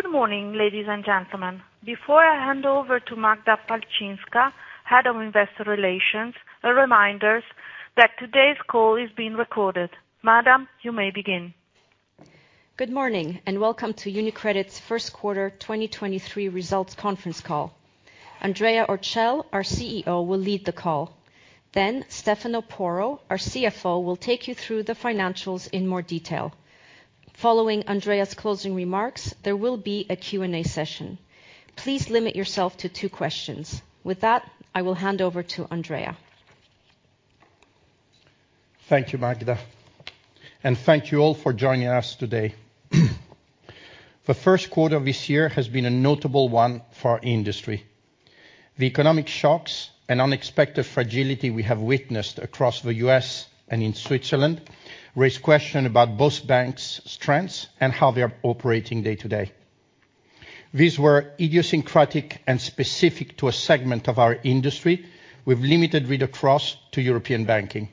Good morning, ladies and gentlemen. Before I hand over to Magda Palczynska, Head of Investor Relations, a reminder that today's call is being recorded. Madam, you may begin. Good morning. Welcome to UniCredit's first quarter 2023 results conference call. Andrea Orcel, our CEO, will lead the call. Stefano Porro, our CFO, will take you through the financials in more detail. Following Andrea's closing remarks, there will be a Q&A session. Please limit yourself to two questions. With that, I will hand over to Andrea. Thank you, Magda. Thank you all for joining us today. The first quarter of this year has been a notable one for our industry. The economic shocks and unexpected fragility we have witnessed across the U.S. and in Switzerland raise question about both banks' strengths and how they are operating day to day. These were idiosyncratic and specific to a segment of our industry with limited read across to European banking.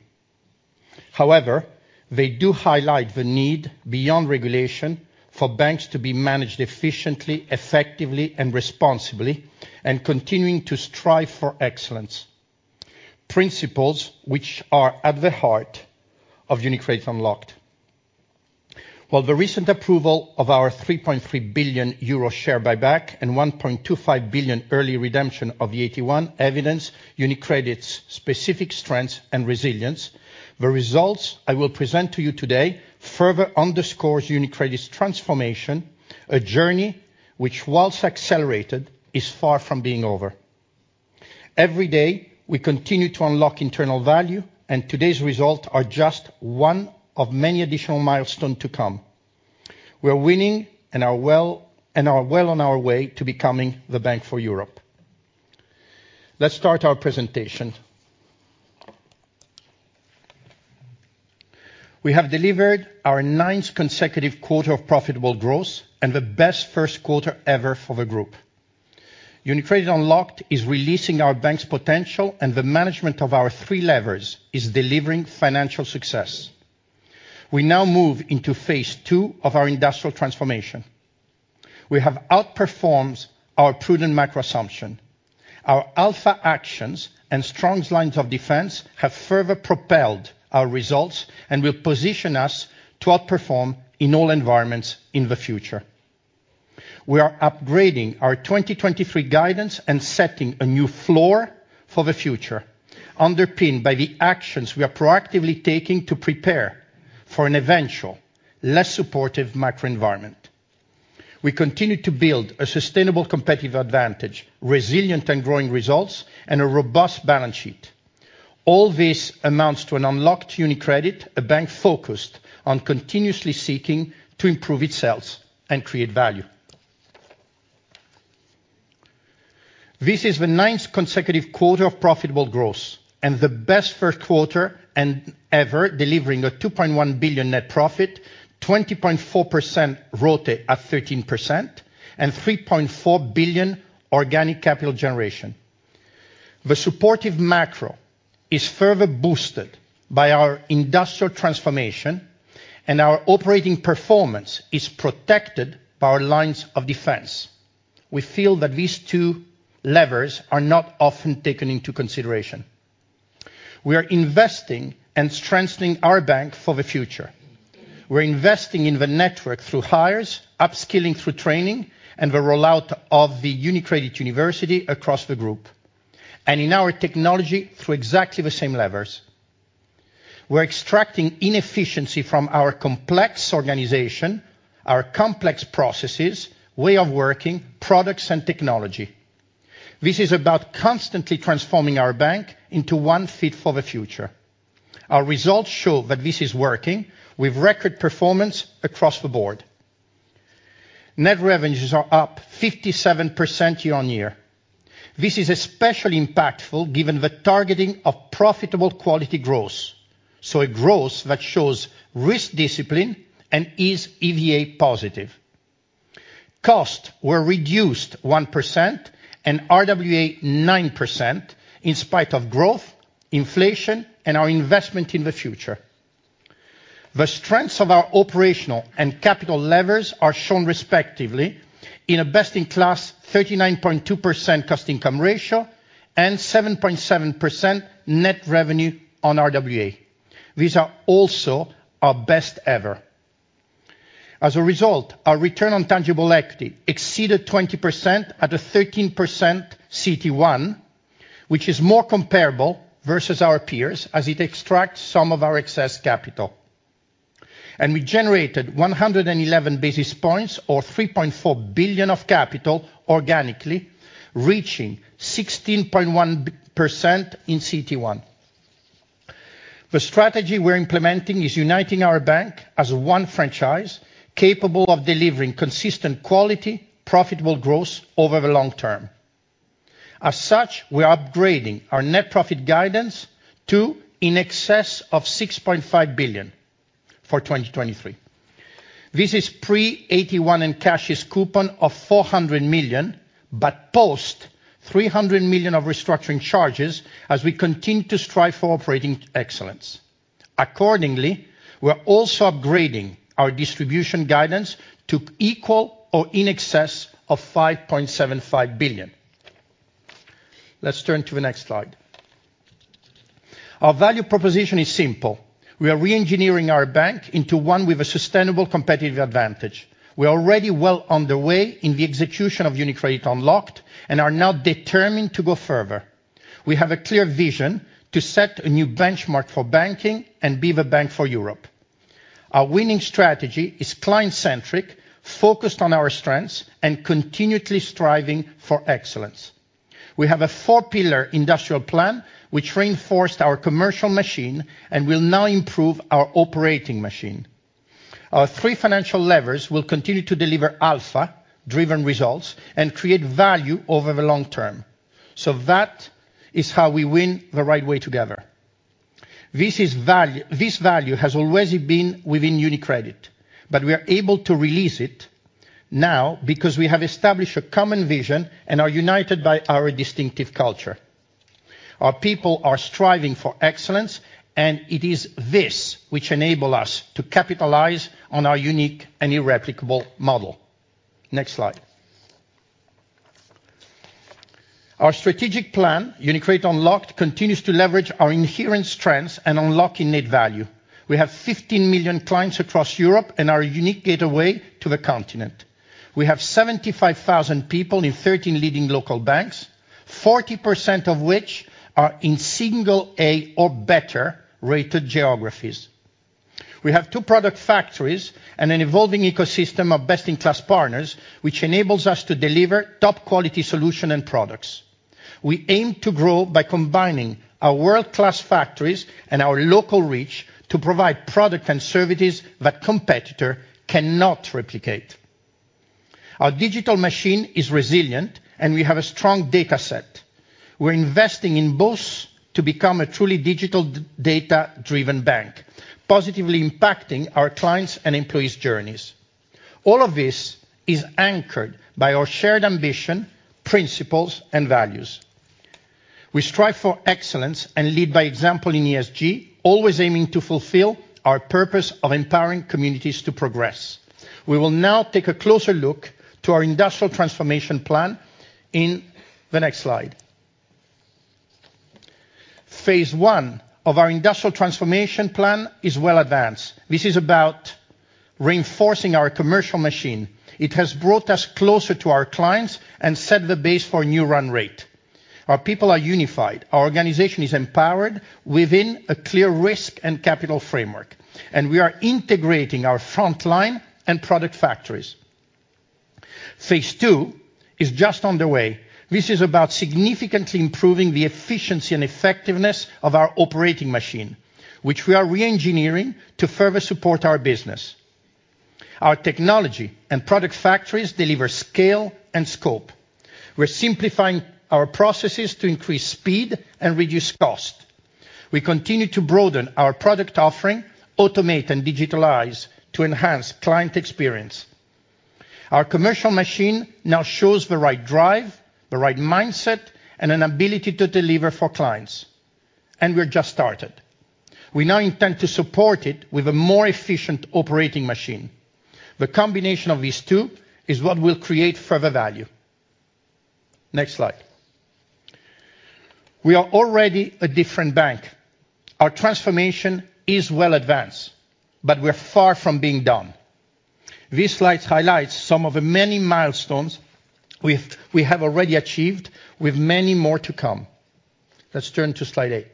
However, they do highlight the need beyond regulation for banks to be managed efficiently, effectively, and responsibly and continuing to strive for excellence, principles which are at the heart of UniCredit Unlocked. While the recent approval of our 3.3 billion euro share buyback and 1.25 billion early redemption of the AT1 evidence UniCredit's specific strengths and resilience, the results I will present to you today further underscores UniCredit's transformation, a journey which, whilst accelerated, is far from being over. Every day, we continue to unlock internal value, today's result are just one of many additional milestone to come. We are winning and are well on our way to becoming the bank for Europe. Let's start our presentation. We have delivered our ninth consecutive quarter of profitable growth and the best first quarter ever for the group. UniCredit Unlocked is releasing our bank's potential, the management of our three levers is delivering financial success. We now move into Phase II of our industrial transformation. We have outperforms our prudent macro assumption. Our alpha actions and strong lines of defense have further propelled our results and will position us to outperform in all environments in the future. We are upgrading our 2023 guidance and setting a new floor for the future, underpinned by the actions we are proactively taking to prepare for an eventual less supportive macro environment. We continue to build a sustainable competitive advantage, resilient and growing results, and a robust balance sheet. All this amounts to an unlocked UniCredit, a bank focused on continuously seeking to improve itself and create value. This is the ninth consecutive quarter of profitable growth and the best first quarter ever delivering a 2.1 billion net profit, 20.4% ROTE at 13%, and 3.4 billion organic capital generation. The supportive macro is further boosted by our industrial transformation, and our operating performance is protected by our lines of defense. We feel that these two levers are not often taken into consideration. We are investing and strengthening our bank for the future. We're investing in the network through hires, upskilling through training, and the rollout of the UniCredit University across the group, and in our technology through exactly the same levers. We're extracting inefficiency from our complex organization, our complex processes, way of working, products and technology. This is about constantly transforming our bank into one fit for the future. Our results show that this is working with record performance across the board. Net revenues are up 57% year-on-year. This is especially impactful given the targeting of profitable quality growth, a growth that shows risk discipline and is EVA positive. Costs were reduced 1% and RWA 9% in spite of growth, inflation, and our investment in the future. The strengths of our operational and capital levers are shown respectively in a best-in-class 39.2% cost income ratio and 7.7% net revenue on RWA. These are also our best ever. As a result, our return on tangible equity exceeded 20% at a 13% CT1, which is more comparable versus our peers as it extracts some of our excess capital. We generated 111 basis points or 3.4 billion of capital organically, reaching 16.1% in CT1. The strategy we're implementing is uniting our bank as one franchise capable of delivering consistent quality, profitable growth over the long term. We are upgrading our net profit guidance to in excess of 6.5 billion for 2023. This is pre AT1 and CASHES coupon of 400 million, but post 300 million of restructuring charges as we continue to strive for operating excellence. We're also upgrading our distribution guidance to equal or in excess of 5.75 billion. Let's turn to the next slide. Our value proposition is simple. We are reengineering our bank into one with a sustainable competitive advantage. We are already well on the way in the execution of UniCredit Unlocked and are now determined to go further. We have a clear vision to set a new benchmark for banking and be the bank for Europe. Our winning strategy is client-centric, focused on our strengths, and continually striving for excellence. We have a four-pillar industrial plan which reinforced our commercial machine and will now improve our operating machine. Our three financial levers will continue to deliver alpha-driven results and create value over the long term. That is how we win the right way together. This value has always been within UniCredit, but we are able to release it now because we have established a common vision and are united by our distinctive culture. Our people are striving for excellence, and it is this which enables us to capitalize on our unique and irreplicable model. Next slide. Our strategic plan, UniCredit Unlocked, continues to leverage our inherent strengths and unlocking net value. We have 15 million clients across Europe and our unique gateway to the continent. We have 75,000 people in 13 leading local banks, 40% of which are in single A or better rated geographies. We have two product factories and an evolving ecosystem of best-in-class partners, which enables us to deliver top quality solution and products. We aim to grow by combining our world-class factories and our local reach to provide product and services that competitor cannot replicate. Our digital machine is resilient, and we have a strong dataset. We're investing in both to become a truly digital data-driven bank, positively impacting our clients' and employees' journeys. All of this is anchored by our shared ambition, principles, and values. We strive for excellence and lead by example in ESG, always aiming to fulfill our purpose of empowering communities to progress. We will now take a closer look to our industrial transformation plan in the next slide. Phase I of our industrial transformation plan is well advanced. This is about reinforcing our commercial machine. It has brought us closer to our clients and set the base for a new run rate. Our people are unified, our organization is empowered within a clear risk and capital framework, and we are integrating our front line and product factories. Phase II is just on the way. This is about significantly improving the efficiency and effectiveness of our operating machine, which we are reengineering to further support our business. Our technology and product factories deliver scale and scope. We're simplifying our processes to increase speed and reduce cost. We continue to broaden our product offering, automate, and digitalize to enhance client experience. Our commercial machine now shows the right drive, the right mindset, and an ability to deliver for clients, and we have just started. We now intend to support it with a more efficient operating machine. The combination of these two is what will create further value. Next slide. We are already a different bank. Our transformation is well advanced, but we're far from being done. This slide highlights some of the many milestones we have already achieved with many more to come. Let's turn to slide eight.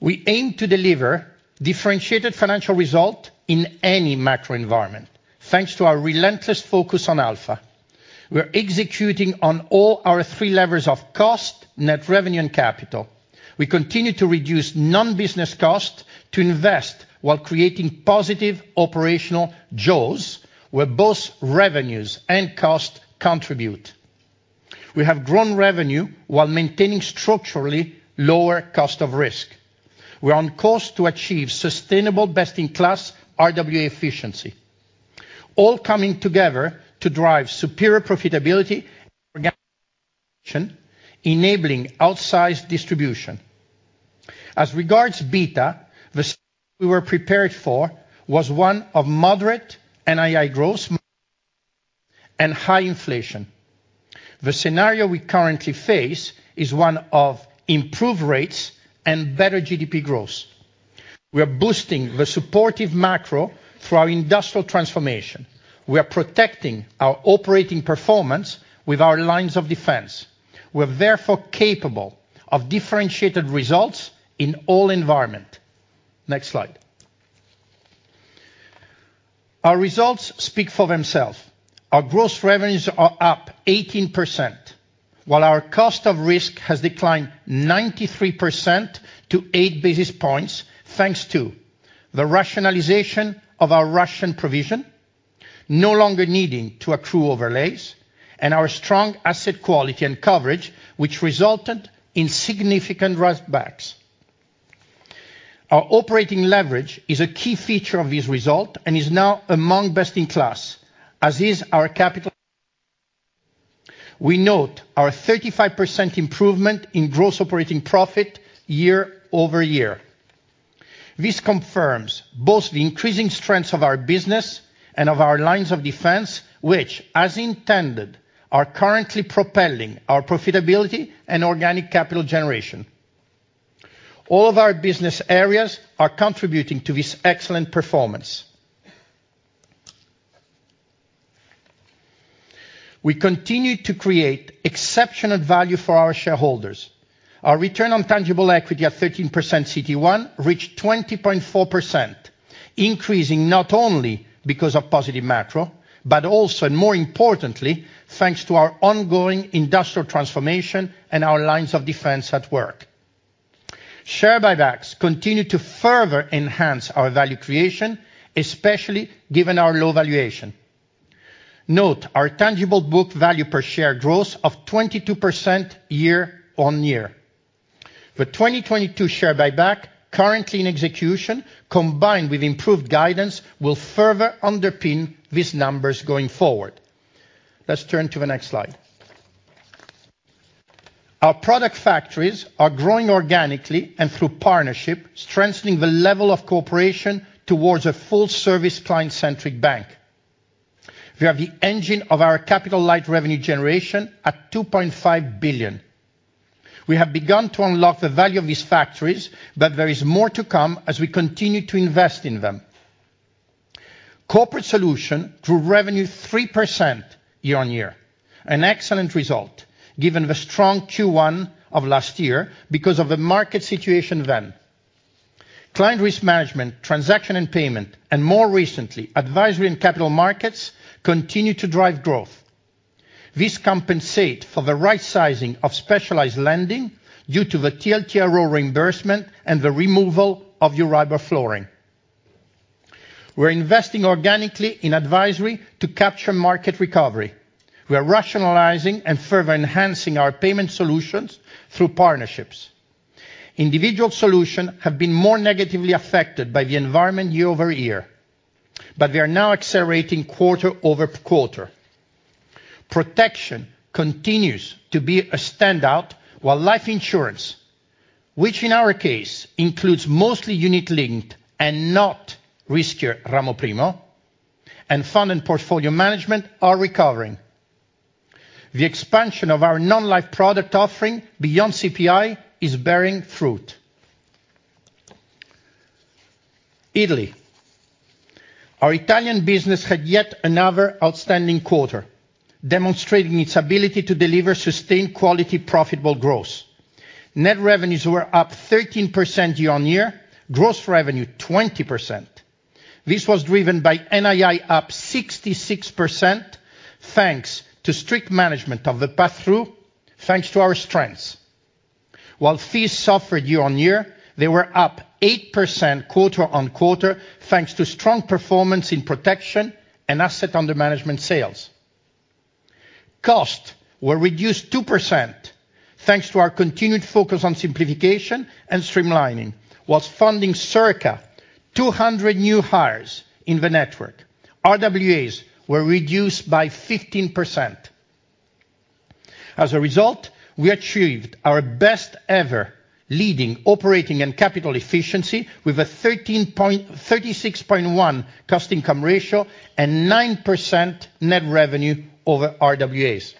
We aim to deliver differentiated financial result in any macro environment. Thanks to our relentless focus on Alpha, we are executing on all our 3 levers of cost, net revenue, and capital. We continue to reduce non-business cost to invest while creating positive operational jaws where both revenues and cost contribute. We have grown revenue while maintaining structurally lower cost of risk. We're on course to achieve sustainable best-in-class RWA efficiency, all coming together to drive superior profitability, enabling outsized distribution. As regards beta, the we were prepared for was one of moderate NII growth and high inflation. The scenario we currently face is one of improved rates and better GDP growth. We are boosting the supportive macro through our industrial transformation. We are protecting our operating performance with our lines of defense. We're therefore capable of differentiated results in all environment. Next slide. Our results speak for themselves. Our gross revenues are up 18%, while our cost of risk has declined 93% to 8 basis points, thanks to the rationalization of our Russian provision, no longer needing to accrue overlays, and our strong asset quality and coverage, which resulted in significant rush backs. Our operating leverage is a key feature of this result and is now among best in class, as is our capital. We note our 35% improvement in gross operating profit year-over-year. This confirms both the increasing strengths of our business and of our lines of defense, which, as intended, are currently propelling our profitability and organic capital generation. All of our business areas are contributing to this excellent performance. We continue to create exceptional value for our shareholders. Our return on tangible equity of 13% CET1 reached 20.4%, increasing not only because of positive macro, but also and more importantly, thanks to our ongoing industrial transformation and our lines of defense at work. Share buybacks continue to further enhance our value creation, especially given our low valuation. Note our tangible book value per share growth of 22% year-on-year. The 2022 share buyback currently in execution combined with improved guidance will further underpin these numbers going forward. Let's turn to the next slide. Our product factories are growing organically and through partnership, strengthening the level of cooperation towards a full service client-centric bank. We have the engine of our capital light revenue generation at 2.5 billion. We have begun to unlock the value of these factories, but there is more to come as we continue to invest in them. Corporate solution grew revenue 3% year-on-year, an excellent result given the strong Q1 of last year because of the market situation then. Client risk management, transaction and payment, and more recently, advisory and capital markets continue to drive growth. This compensate for the right sizing of specialized lending due to the TLTRO reimbursement and the removal of Euribor flooring. We're investing organically in advisory to capture market recovery. We are rationalizing and further enhancing our payment solutions through partnerships. Individual solutions have been more negatively affected by the environment year-over-year, but we are now accelerating quarter-over-quarter. Protection continues to be a standout while life insurance, which in our case includes mostly unit linked and not riskier Ramo I and fund and portfolio management are recovering. The expansion of our non-life product offering beyond CPI is bearing fruit. Italy. Our Italian business had yet another outstanding quarter, demonstrating its ability to deliver sustained quality profitable growth. Net revenues were up 13% year-on-year, gross revenue, 20%. This was driven by NII up 66%, thanks to strict management of the path through, thanks to our strengths. While fees suffered year-on-year, they were up 8% quarter-on-quarter, thanks to strong performance in protection and asset under management sales. Costs were reduced 2%, thanks to our continued focus on simplification and streamlining, whilst funding circa 200 new hires in the network. RWAs were reduced by 15%. As a result, we achieved our best ever leading operating and capital efficiency with a 36.1 cost income ratio and 9% net revenue over RWAs.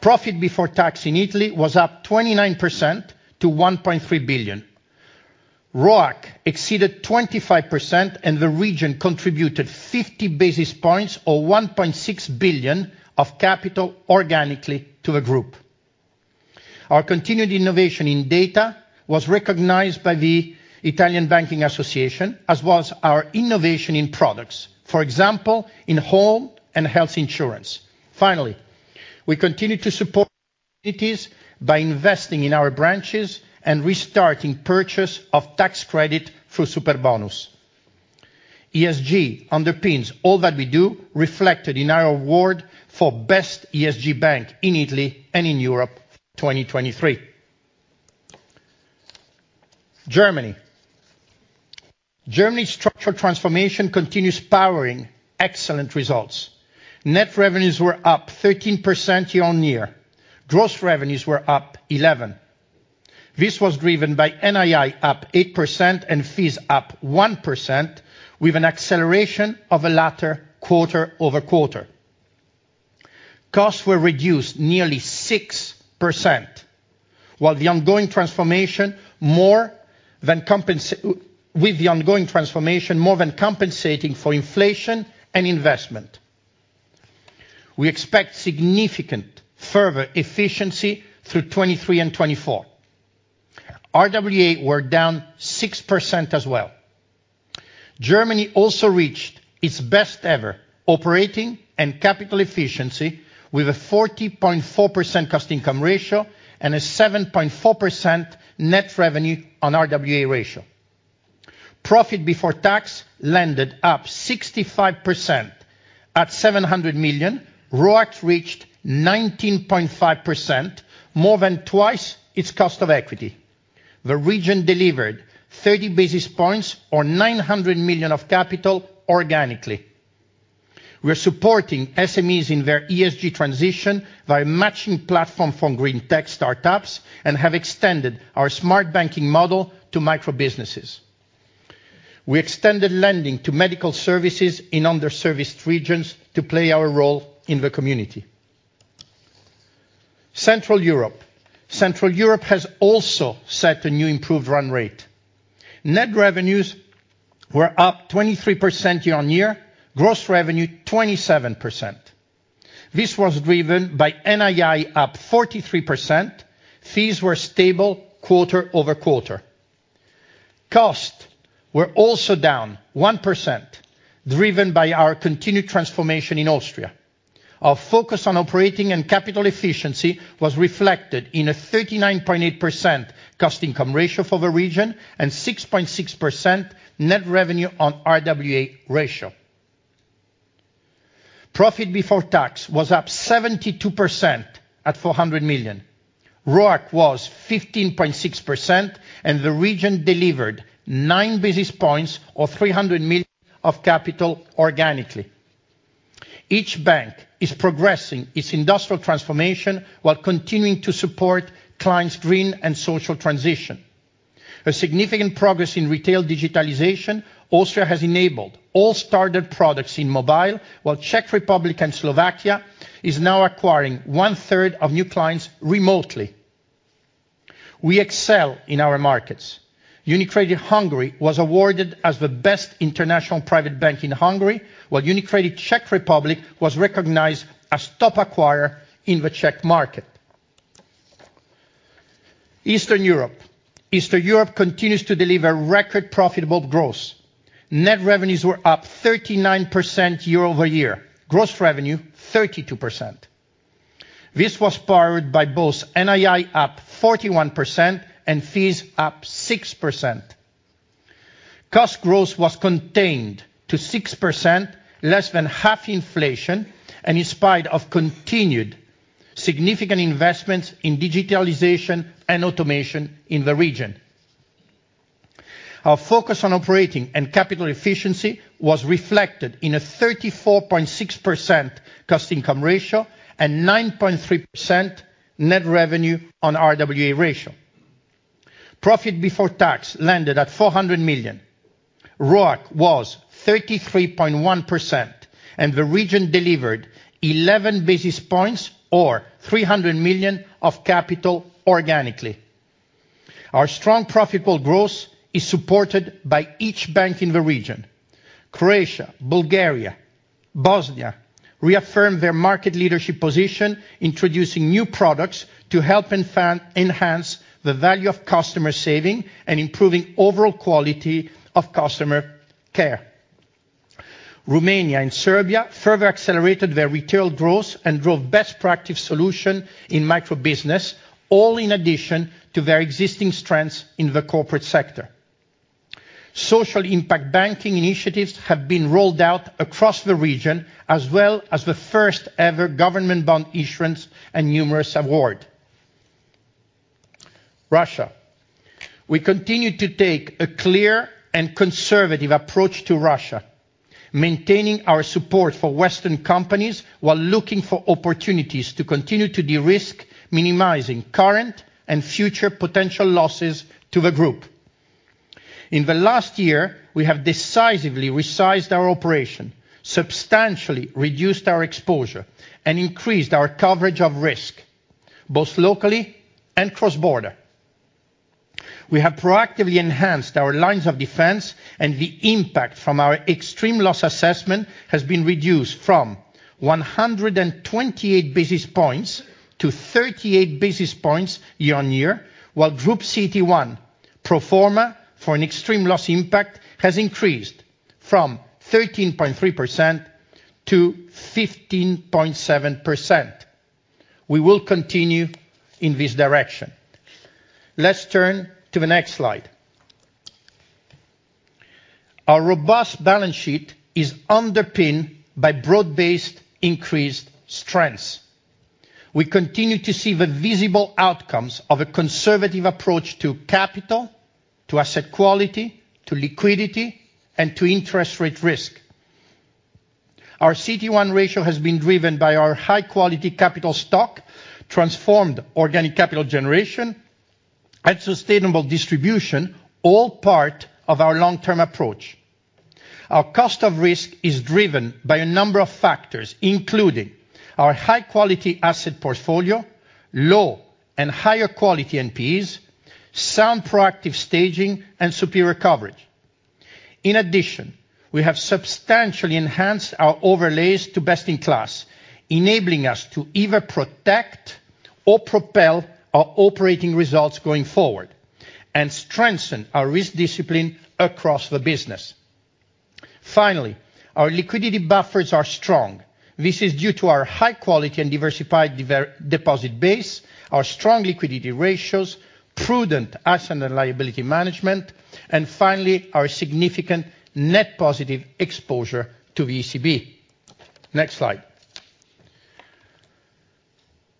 Profit before tax in Italy was up 29% to 1.3 billion. ROAC exceeded 25%, and the region contributed 50 basis points or 1.6 billion of capital organically to the group. Our continued innovation in data was recognized by the Italian Banking Association, as was our innovation in products, for example, in home and health insurance. Finally, we continue to support communities by investing in our branches and restarting purchase of tax credit through Superbonus. ESG underpins all that we do reflected in our award for Best ESG Bank in Italy and in Europe, 2023. Germany. Germany's structural transformation continues powering excellent results. Net revenues were up 13% year-on-year. Gross revenues were up 11%. This was driven by NII up 8% and fees up 1%, with an acceleration of a latter quarter-over-quarter. Costs were reduced nearly 6%, while the ongoing transformation more than compensating for inflation and investment. We expect significant further efficiency through 2023 and 2024. RWA were down 6% as well. Germany also reached its best ever operating and capital efficiency with a 40.4% cost income ratio and a 7.4% net revenue on RWA ratio. Profit before tax landed up 65%. At 700 million, ROAC reached 19.5%, more than twice its cost of equity. The region delivered 30 basis points or 900 million of capital organically. We are supporting SMEs in their ESG transition by matching platform from green tech startups and have extended our smart banking model to micro businesses. We extended lending to medical services in underserviced regions to play our role in the community. Central Europe. Central Europe has also set a new improved run rate. Net revenues were up 23% year-over-year, gross revenue 27%. This was driven by NII up 43%. Fees were stable quarter-over-quarter. Costs were also down 1%, driven by our continued transformation in Austria. Our focus on operating and capital efficiency was reflected in a 39.8% cost income ratio for the region and 6.6% net revenue on RWA ratio. Profit before tax was up 72% at 400 million. ROIC was 15.6%. The region delivered 9 basis points or 300 million of capital organically. Each bank is progressing its industrial transformation while continuing to support clients green and social transition. A significant progress in retail digitalization, Austria has enabled all starter products in mobile, while Czech Republic and Slovakia is now acquiring one-third of new clients remotely. We excel in our markets. UniCredit Hungary was awarded as the best international private bank in Hungary, while UniCredit Czech Republic was recognized as top acquirer in the Czech market. Eastern Europe continues to deliver record profitable growth. Net revenues were up 39% year-over-year. Gross revenue, 32%. This was powered by both NII up 41% and fees up 6%. Cost growth was contained to 6% less than half inflation, and in spite of continued significant investments in digitalization and automation in the region. Our focus on operating and capital efficiency was reflected in a 34.6% cost income ratio and 9.3% net revenue on RWA ratio. Profit before tax landed at 400 million. ROIC was 33.1% and the region delivered 11 basis points or 300 million of capital organically. Our strong profitable growth is supported by each bank in the region. Croatia, Bulgaria, Bosnia reaffirmed their market leadership position, introducing new products to help enhance the value of customer saving and improving overall quality of customer care. Romania and Serbia further accelerated their retail growth and drove best proactive solution in micro business, all in addition to their existing strengths in the corporate sector. Social impact banking initiatives have been rolled out across the region as well as the first ever government bond issuance and numerous award. Russia. We continue to take a clear and conservative approach to Russia, maintaining our support for Western companies while looking for opportunities to continue to de-risk minimizing current and future potential losses to the group. In the last year, we have decisively resized our operation, substantially reduced our exposure, and increased our coverage of risk, both locally and cross-border. We have proactively enhanced our lines of defense, and the impact from our extreme loss assessment has been reduced from 128 basis points to 38 basis points year-over-year, while Group CET1 pro forma for an extreme loss impact has increased from 13.3%-15.7%. We will continue in this direction. Let's turn to the next slide. Our robust balance sheet is underpinned by broad-based increased strengths. We continue to see the visible outcomes of a conservative approach to capital, to asset quality, to liquidity, and to interest rate risk. Our CET1 ratio has been driven by our high-quality capital stock, transformed organic capital generation, and sustainable distribution, all part of our long-term approach. Our cost of risk is driven by a number of factors, including our high quality asset portfolio, low and higher quality NPs, sound proactive staging, and superior coverage. We have substantially enhanced our overlays to best-in-class, enabling us to either protect or propel our operating results going forward and strengthen our risk discipline across the business. Our liquidity buffers are strong. This is due to our high quality and diversified deposit base, our strong liquidity ratios, prudent asset and liability management, and finally, our significant net positive exposure to the ECB. Next slide.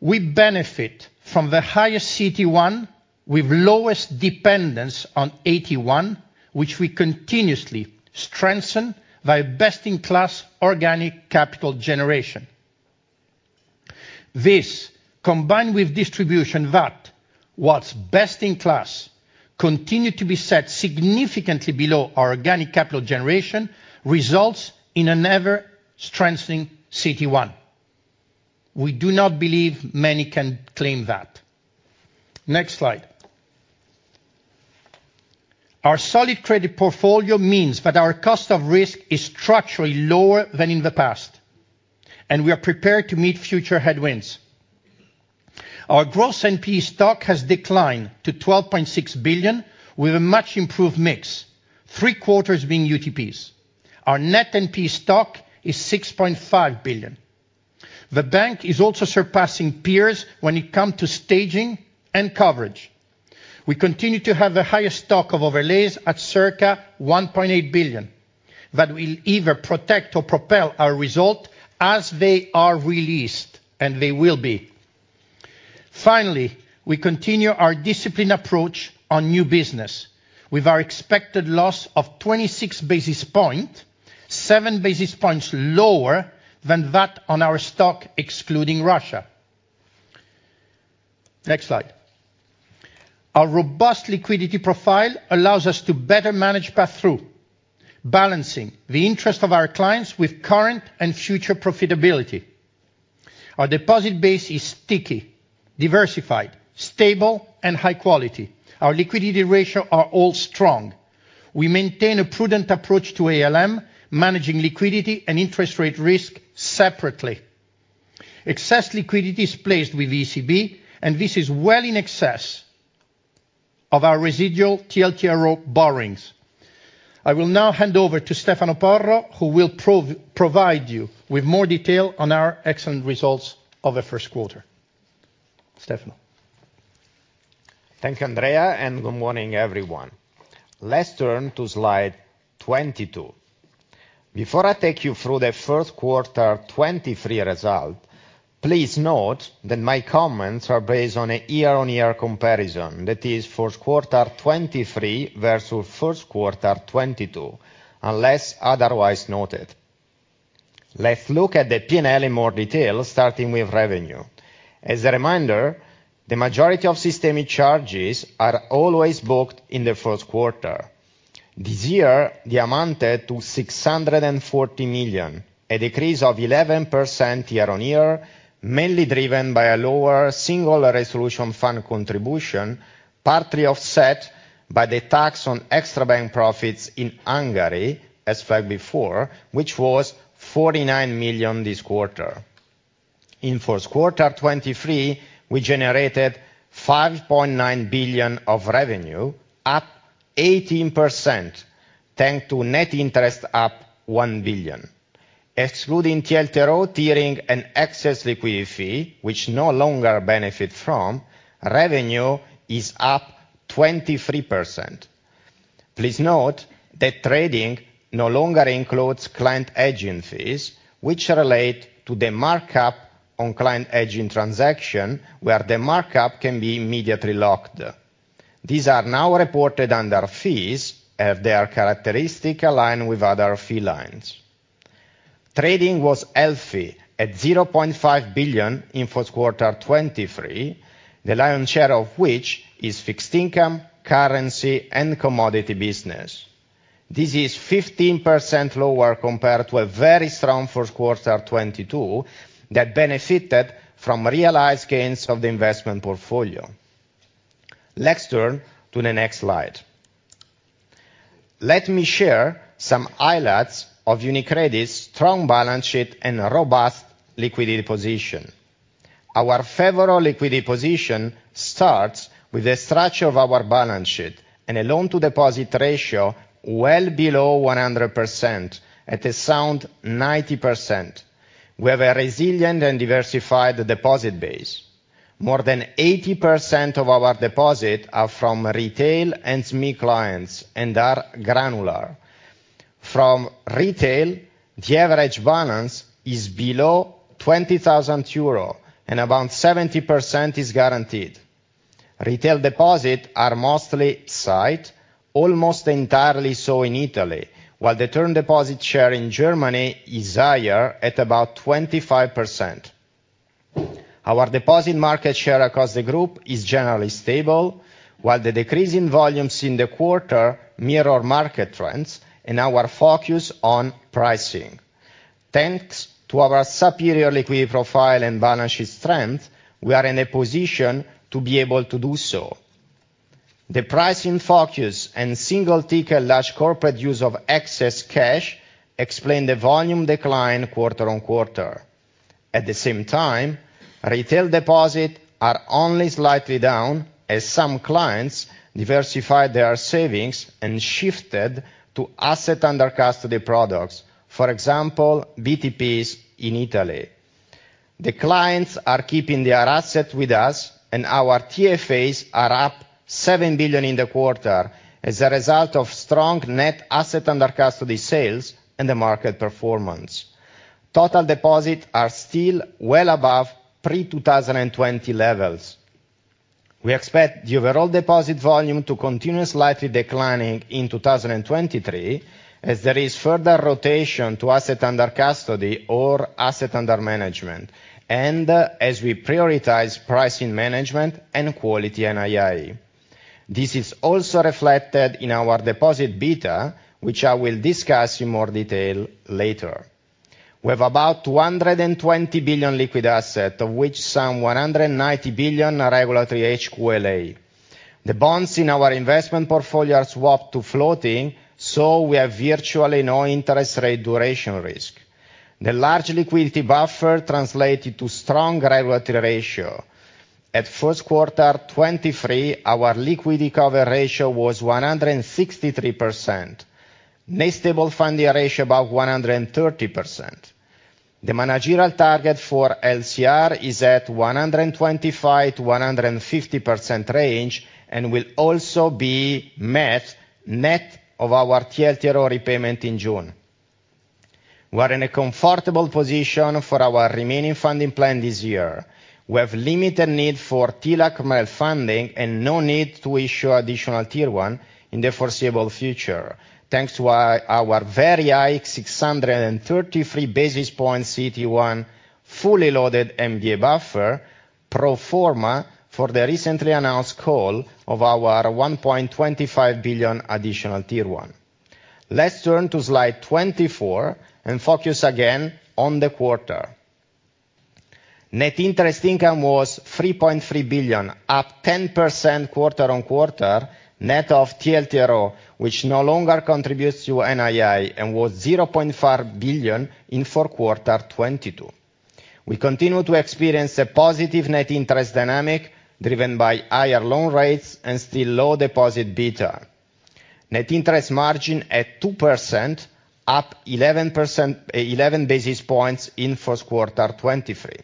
We benefit from the highest CET1 with lowest dependence on AT1, which we continuously strengthen by best-in-class organic capital generation. Combined with distribution VAT, what's best-in-class, continue to be set significantly below our organic capital generation results in an ever-strengthening CET1. We do not believe many can claim that. Next slide. Our solid credit portfolio means that our cost of risk is structurally lower than in the past, and we are prepared to meet future headwinds. Our gross NP stock has declined to 12.6 billion, with a much improved mix, three-quarters being UTPs. Our net NP stock is 6.5 billion. The bank is also surpassing peers when it come to staging and coverage. We continue to have the highest stock of overlays at circa 1.8 billion that will either protect or propel our result as they are released, and they will be. Finally, we continue our disciplined approach on new business with our expected loss of 26 basis point, 7 basis points lower than that on our stock, excluding Russia. Next slide. Our robust liquidity profile allows us to better manage path through, balancing the interest of our clients with current and future profitability. Our deposit base is sticky, diversified, stable and high quality. Our liquidity ratio are all strong. We maintain a prudent approach to ALM, managing liquidity and interest rate risk separately. Excess liquidity is placed with ECB, and this is well in excess of our residual TLTRO borrowings. I will now hand over to Stefano Porro, who will provide you with more detail on our excellent results of the first quarter. Stefano. Thank you, Andrea. Good morning, everyone. Let's turn to slide 22. Before I take you through the first quarter 23 result, please note that my comments are based on a year-on-year comparison. That is first quarter 23 versus first quarter 22, unless otherwise noted. Let's look at the P&L in more detail, starting with revenue. As a reminder, the majority of systemic charges are always booked in the first quarter. This year, they amounted to 640 million, a decrease of 11% year-on-year, mainly driven by a lower Single Resolution Fund contribution, partly offset by the tax on extra bank profits in Hungary as filed before, which was 49 million this quarter. In first quarter 23, we generated 5.9 billion of revenue, up 18%, thanks to net interest up 1 billion. Excluding TLTRO tiering and excess liquidity, which no longer benefit from, revenue is up 23%. Please note that trading no longer includes client agent fees, which relate to the markup on client agent transaction, where the markup can be immediately locked. These are now reported under fees as their characteristic align with other fee lines. Trading was healthy at 0.5 billion in first quarter 2023, the lion's share of which is fixed income, currency, and commodity business. This is 15% lower compared to a very strong first quarter 2022 that benefited from realized gains of the investment portfolio. Let's turn to the next slide. Let me share some highlights of UniCredit's strong balance sheet and robust liquidity position. Our favorable liquidity position starts with the structure of our balance sheet and a loan to deposit ratio well below 100% at a sound 90%. We have a resilient and diversified deposit base. More than 80% of our deposit are from retail and small clients and are granular. From retail, the average balance is below 20,000 euro and about 70% is guaranteed. Retail deposits are mostly site, almost entirely so in Italy, while the term deposit share in Germany is higher at about 25%. Our deposit market share across the group is generally stable, while the decrease in volumes in the quarter mirror market trends and our focus on pricing. Thanks to our superior liquidity profile and balance sheet strength, we are in a position to be able to do so. The pricing focus and single ticker large corporate use of excess cash explain the volume decline quarter-on-quarter. At the same time, retail deposits are only slightly down as some clients diversified their savings and shifted to asset under custody products, for example, BTPs in Italy. The clients are keeping their assets with us and our TFAs are up 7 billion in the quarter as a result of strong net asset under custody sales and the market performance. Total deposit are still well above pre-2020 levels. We expect the overall deposit volume to continue slightly declining in 2023, as there is further rotation to asset under custody or asset under management, and as we prioritize pricing management and quality NII. This is also reflected in our deposit beta, which I will discuss in more detail later. We have about 220 billion liquid asset, of which some 190 billion are regulatory HQLA. The bonds in our investment portfolio are swapped to floating, so we have virtually no interest rate duration risk. The large liquidity buffer translated to strong regulatory ratio. At first quarter 2023, our liquidity cover ratio was 163%. Net stable funding ratio about 130%. The managerial target for LCR is at 125%-150% range, and will also be met net of our TLTRO repayment in June. We're in a comfortable position for our remaining funding plan this year. We have limited need for TLAC MREL funding and no need to issue additional Tier 1 in the foreseeable future, thanks to our very high 633 basis point CET1 fully loaded MDA buffer pro forma for the recently announced call of our 1.25 billion additional Tier 1. Let's turn to slide 24 and focus again on the quarter. Net interest income was 3.3 billion, up 10% quarter-on-quarter, net of TLTRO, which no longer contributes to NII and was 0.5 billion in fourth quarter 2022. We continue to experience a positive net interest dynamic driven by higher loan rates and still low deposit beta. Net interest margin at 2%, up 11 basis points in first quarter 2023.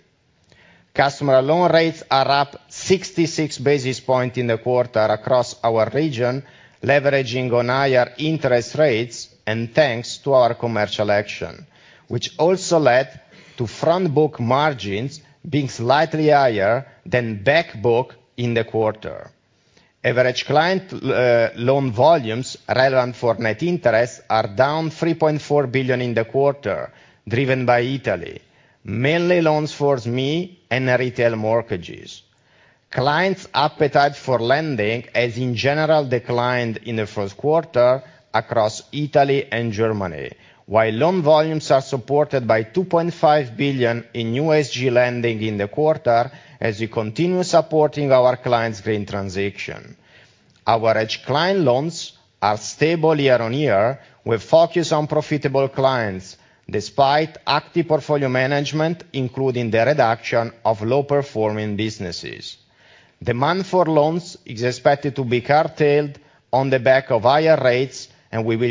Customer loan rates are up 66 basis points in the quarter across our region, leveraging on higher interest rates and thanks to our commercial action, which also led to front book margins being slightly higher than back book in the quarter. Average client loan volumes relevant for net interest are down 3.4 billion in the quarter, driven by Italy, mainly loans for SME and retail mortgages. Clients' appetite for lending has in general declined in the first quarter across Italy and Germany, while loan volumes are supported by 2.5 billion in new ESG lending in the quarter as we continue supporting our clients' green transition. Our edge client loans are stable year-on-year with focus on profitable clients, despite active portfolio management, including the reduction of low-performing businesses. We will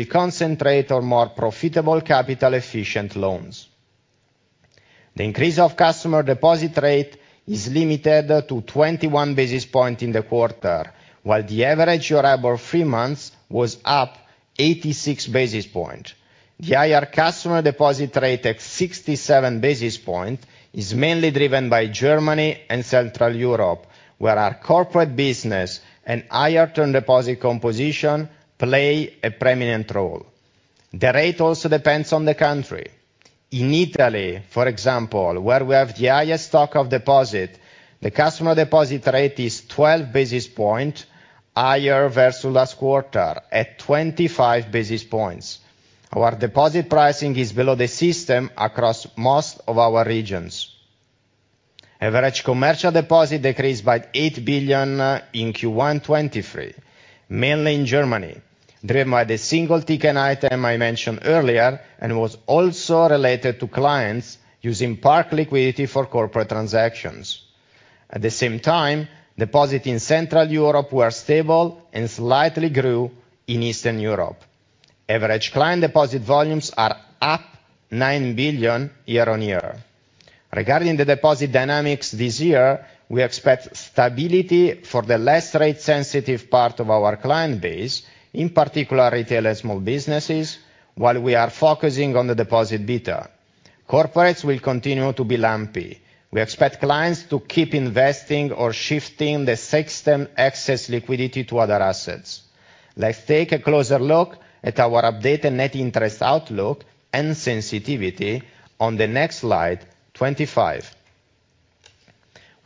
concentrate on more profitable capital efficient loans. The increase of customer deposit rate is limited to 21 basis point in the quarter, while the average durable three months was up 86 basis point. The higher customer deposit rate at 67 basis point is mainly driven by Germany and Central Europe, where our corporate business and higher term deposit composition play a prominent role. The rate also depends on the country. In Italy, for example, where we have the highest stock of deposits, the customer deposit rate is 12 basis points higher versus last quarter at 25 basis points. Our deposit pricing is below the system across most of our regions. Average commercial deposits decreased by 8 billion in Q1 2023, mainly in Germany, driven by the single ticket item I mentioned earlier, and was also related to clients using parked liquidity for corporate transactions. At the same time, deposits in Central Europe were stable and slightly grew in Eastern Europe. Average client deposit volumes are up 9 billion year-on-year. Regarding the deposit dynamics this year, we expect stability for the less rate sensitive part of our client base, in particular retail and small businesses, while we are focusing on the deposit beta. Corporates will continue to be lumpy. We expect clients to keep investing or shifting the system excess liquidity to other assets. Let's take a closer look at our updated net interest outlook and sensitivity on the next slide, 25. We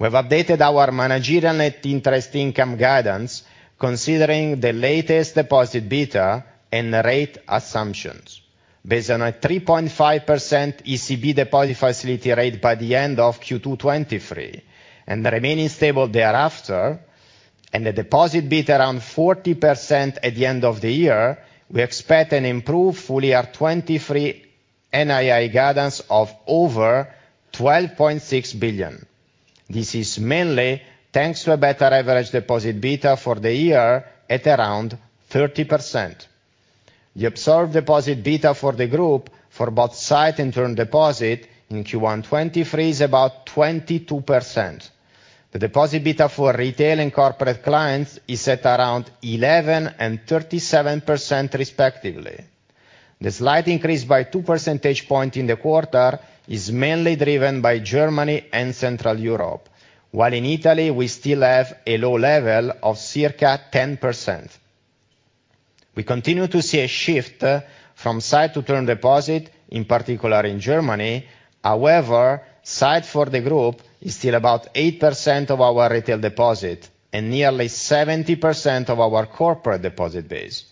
have updated our managerial net interest income guidance considering the latest deposit beta and rate assumptions. Based on a 3.5% ECB deposit facility rate by the end of Q2 2023 and remaining stable thereafter, and the deposit beta around 40% at the end of the year, we expect an improved full year 2023 NII guidance of over 12.6 billion. This is mainly thanks to a better average deposit beta for the year at around 30%. The absorbed deposit beta for the group for both sight and term deposit in Q1 2023 is about 22%. The deposit beta for retail and corporate clients is at around 11% and 37% respectively. The slight increase by 2 percentage point in the quarter is mainly driven by Germany and Central Europe. In Italy, we still have a low level of circa 10%. We continue to see a shift from sight to term deposit, in particular in Germany. Sight for the group is still about 8% of our retail deposit and nearly 70% of our corporate deposit base.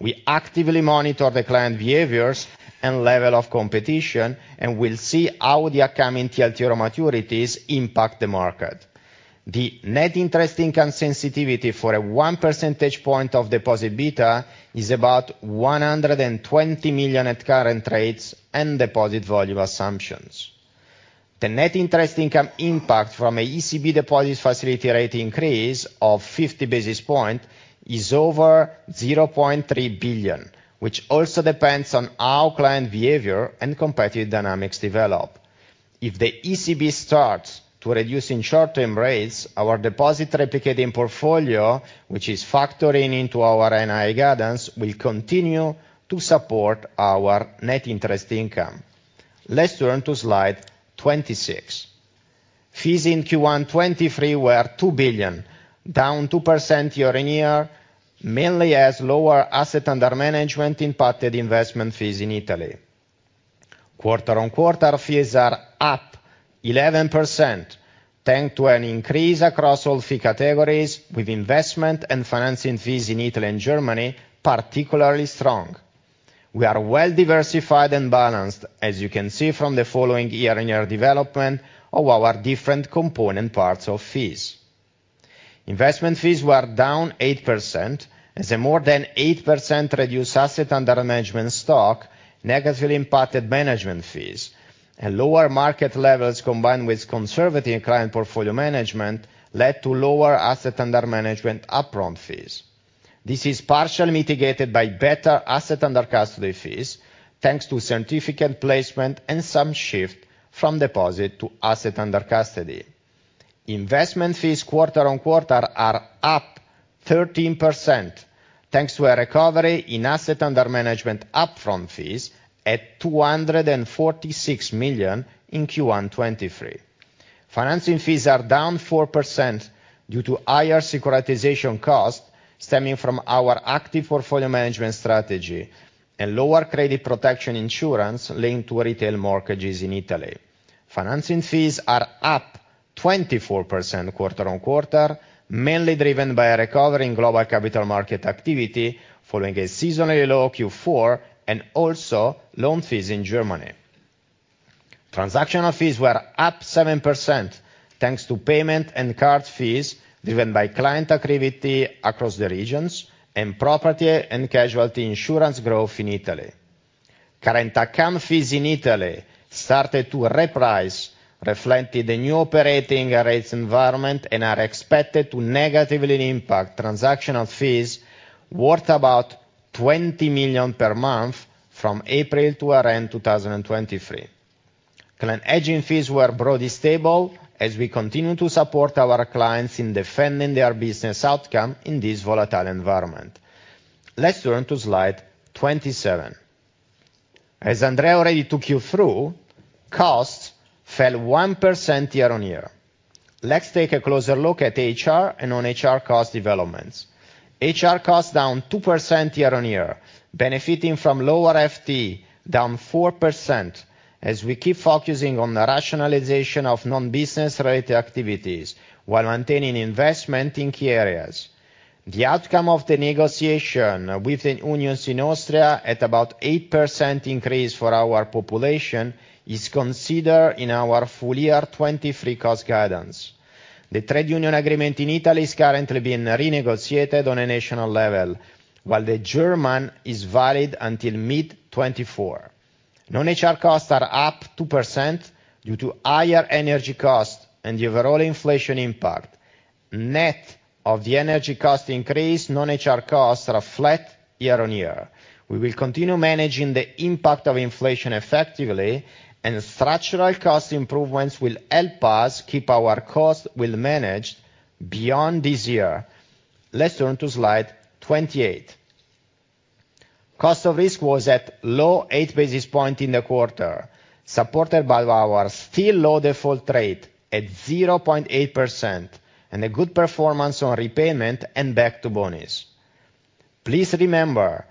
We actively monitor the client behaviors and level of competition, and we'll see how the upcoming TLTRO maturities impact the market. The net interest income sensitivity for a 1 percentage point of deposit beta is about 120 million at current rates and deposit volume assumptions. The net interest income impact from a ECB deposit facility rate increase of 50 basis points is over 0.3 billion, which also depends on how client behavior and competitive dynamics develop. If the ECB starts to reduce in short-term rates, our deposit replicating portfolio, which is factoring into our NII guidance, will continue to support our net interest income. Let's turn to slide 26. Fees in Q1 '23 were 2 billion, down 2% year-on-year, mainly as lower asset under management impacted investment fees in Italy. Quarter-on-quarter fees are up 11%, thanks to an increase across all fee categories, with investment and financing fees in Italy and Germany particularly strong. We are well-diversified and balanced, as you can see from the following year-on-year development of our different component parts of fees. Investment fees were down 8% as a more than 8% reduced asset under management stock negatively impacted management fees. Lower market levels, combined with conservative client portfolio management, led to lower asset under management upfront fees. This is partially mitigated by better asset under custody fees, thanks to certificate placement and some shift from deposit to asset under custody. Investment fees quarter-on-quarter are up 13%, thanks to a recovery in asset under management upfront fees at 246 million in Q1 2023. Financing fees are down 4% due to higher securitization costs stemming from our active portfolio management strategy and lower credit protection insurance linked to retail mortgages in Italy. Financing fees are up 24% quarter-on-quarter, mainly driven by a recovery in global capital market activity following a seasonally low Q4 and also loan fees in Germany. Transactional fees were up 7%, thanks to payment and card fees driven by client activity across the regions and property and casualty insurance growth in Italy. Current account fees in Italy started to reprice, reflecting the new operating rates environment and are expected to negatively impact transactional fees worth about 20 million per month from April to around 2023. Client hedging fees were broadly stable as we continue to support our clients in defending their business outcome in this volatile environment. Let's turn to slide 27. As Andrea already took you through, costs fell 1% year-on-year. Let's take a closer look at HR and non-HR cost developments. HR costs down 2% year-on-year, benefiting from lower FT, down 4%, as we keep focusing on the rationalization of non-business-related activities while maintaining investment in key areas. The outcome of the negotiation with the unions in Austria at about 8% increase for our population is considered in our full year 2023 cost guidance. The trade union agreement in Italy is currently being renegotiated on a national level, while the German is valid until mid 2024. Non-HR costs are up 2% due to higher energy costs and the overall inflation impact. Net of the energy cost increase, non-HR costs are flat year-on-year. We will continue managing the impact of inflation effectively, and structural cost improvements will help us keep our costs well managed beyond this year. Let's turn to slide 28. Cost of risk was at low 8 basis point in the quarter, supported by our still low default rate at 0.8% and a good performance on repayment and back to bonus. Please remember,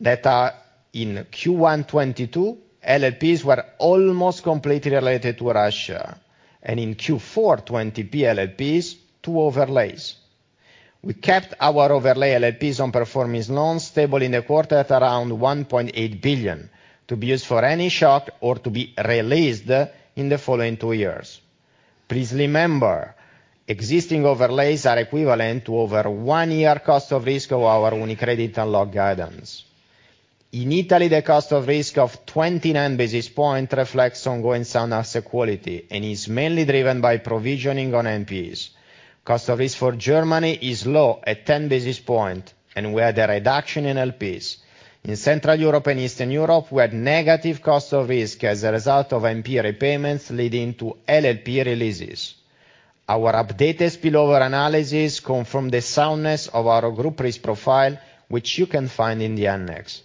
in Q1 2022, LLPs were almost completely related to Russia, and in Q4 2020, LLPs, two overlays. We kept our overlay LLPs on performance loans stable in the quarter at around 1.8 billion to be used for any shock or to be released in the following two years. Please remember, existing overlays are equivalent to over one year cost of risk of our UniCredit Unlocked guidance. The cost of risk of 29 basis points reflects ongoing sound asset quality and is mainly driven by provisioning on NPs. Cost of risk for Germany is low at 10 basis points, and we had a reduction in LLPs. We had negative cost of risk as a result of NP repayments leading to LLP releases. Our updated spillover analysis confirmed the soundness of our group risk profile, which you can find in the annex.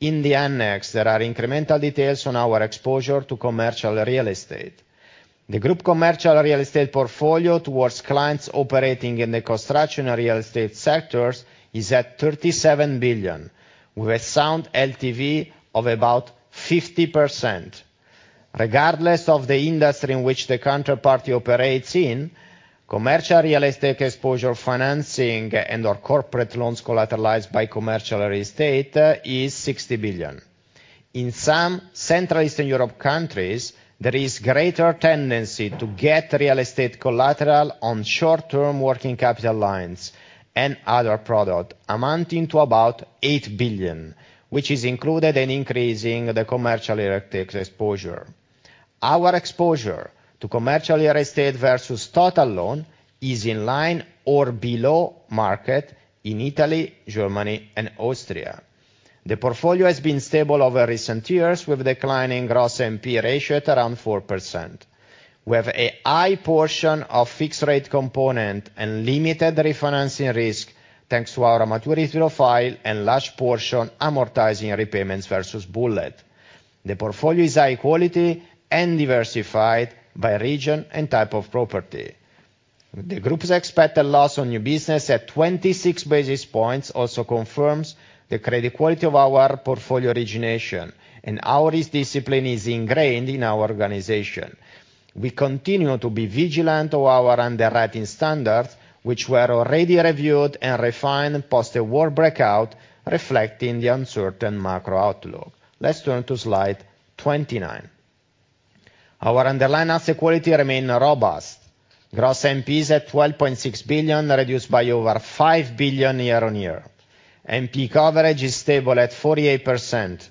In the annex, there are incremental details on our exposure to commercial real estate. The group commercial real estate portfolio towards clients operating in the construction and real estate sectors is at 37 billion, with a sound LTV of about 50%. Regardless of the industry in which the counterparty operates in, commercial real estate exposure financing and/or corporate loans collateralized by commercial real estate is 60 billion. In some Central Eastern Europe countries, there is greater tendency to get real estate collateral on short-term working capital lines and other product amounting to about 8 billion, which is included in increasing the commercial real estate exposure. Our exposure to commercial real estate versus total loan is in line or below market in Italy, Germany, and Austria. The portfolio has been stable over recent years with declining gross NP ratio at around 4%. We have a high portion of fixed rate component and limited refinancing risk, thanks to our maturity profile and large portion amortizing repayments versus bullet. The portfolio is high quality and diversified by region and type of property. The group's expected loss on new business at 26 basis points also confirms the credit quality of our portfolio origination. Our risk discipline is ingrained in our organization. We continue to be vigilant of our underwriting standards, which were already reviewed and refined post-war breakout, reflecting the uncertain macro outlook. Let's turn to slide 29. Our underlying asset quality remain robust. Gross NP is at 12.6 billion, reduced by over 5 billion year-on-year. NP coverage is stable at 48%.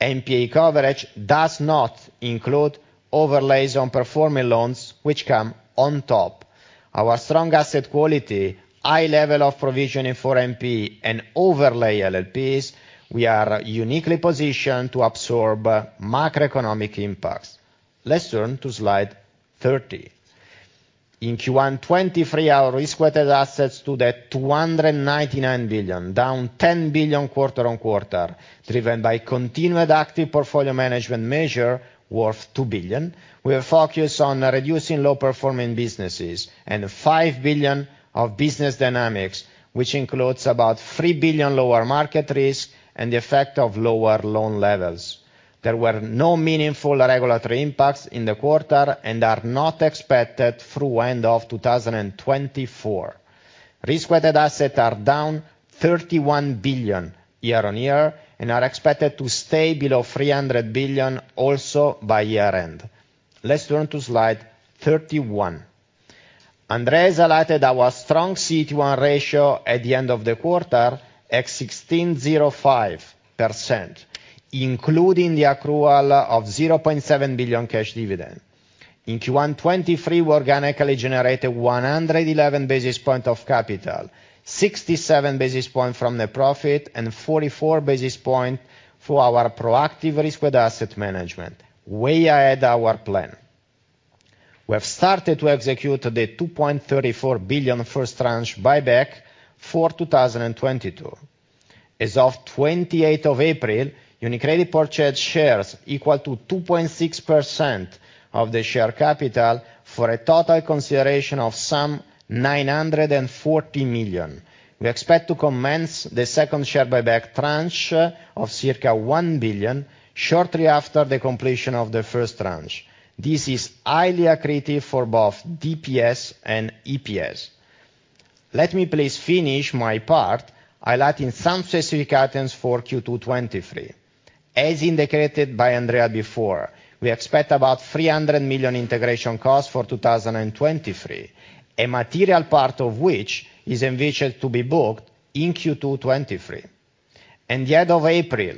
NPA coverage does not include overlays on performing loans which come on top. Our strong asset quality, high level of provisioning for NP and overlay LLPs, we are uniquely positioned to absorb macroeconomic impacts. Let's turn to slide 30. In Q1 2023, our risk-weighted assets stood at 299 billion, down 10 billion quarter-on-quarter, driven by continued active portfolio management measure worth 2 billion. We are focused on reducing low-performing businesses and 5 billion of business dynamics, which includes about 3 billion lower market risk and the effect of lower loan levels. There were no meaningful regulatory impacts in the quarter and are not expected through end of 2024. Risk-weighted assets are down 31 billion year-on-year and are expected to stay below 300 billion also by year-end. Let's turn to slide 31. Andrea highlighted our strong CET1 ratio at the end of the quarter at 16.05%, including the accrual of 0.7 billion cash dividend. In Q1 '23, we organically generated 111 basis point of capital, 67 basis point from the profit and 44 basis point for our proactive risk with asset management. Way ahead our plan. We have started to execute the 2.34 billion first tranche buyback for 2022. As of 28th of April, UniCredit purchased shares equal to 2.6% of the share capital for a total consideration of some 940 million. We expect to commence the second share buyback tranche of circa 1 billion shortly after the completion of the first tranche. This is highly accretive for both DPS and EPS. Let me please finish my part, highlighting some specific items for Q2 '23. As indicated by Andrea before, we expect about 300 million integration costs for 2023, a material part of which is envisaged to be booked in Q2 '23. At the end of April,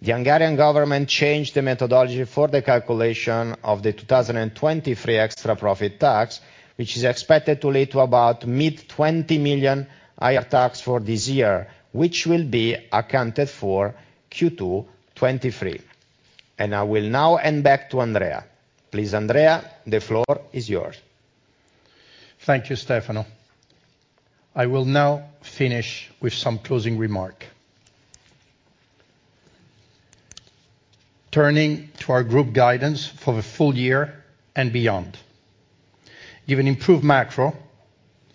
the Hungarian government changed the methodology for the calculation of the 2023 extra profit tax, which is expected to lead to about mid-EUR 20 million higher tax for this year, which will be accounted for Q2 '23. I will now hand back to Andrea. Please, Andrea, the floor is yours. Thank you, Stefano. I will now finish with some closing remark. Turning to our group guidance for the full year and beyond. Given improved macro,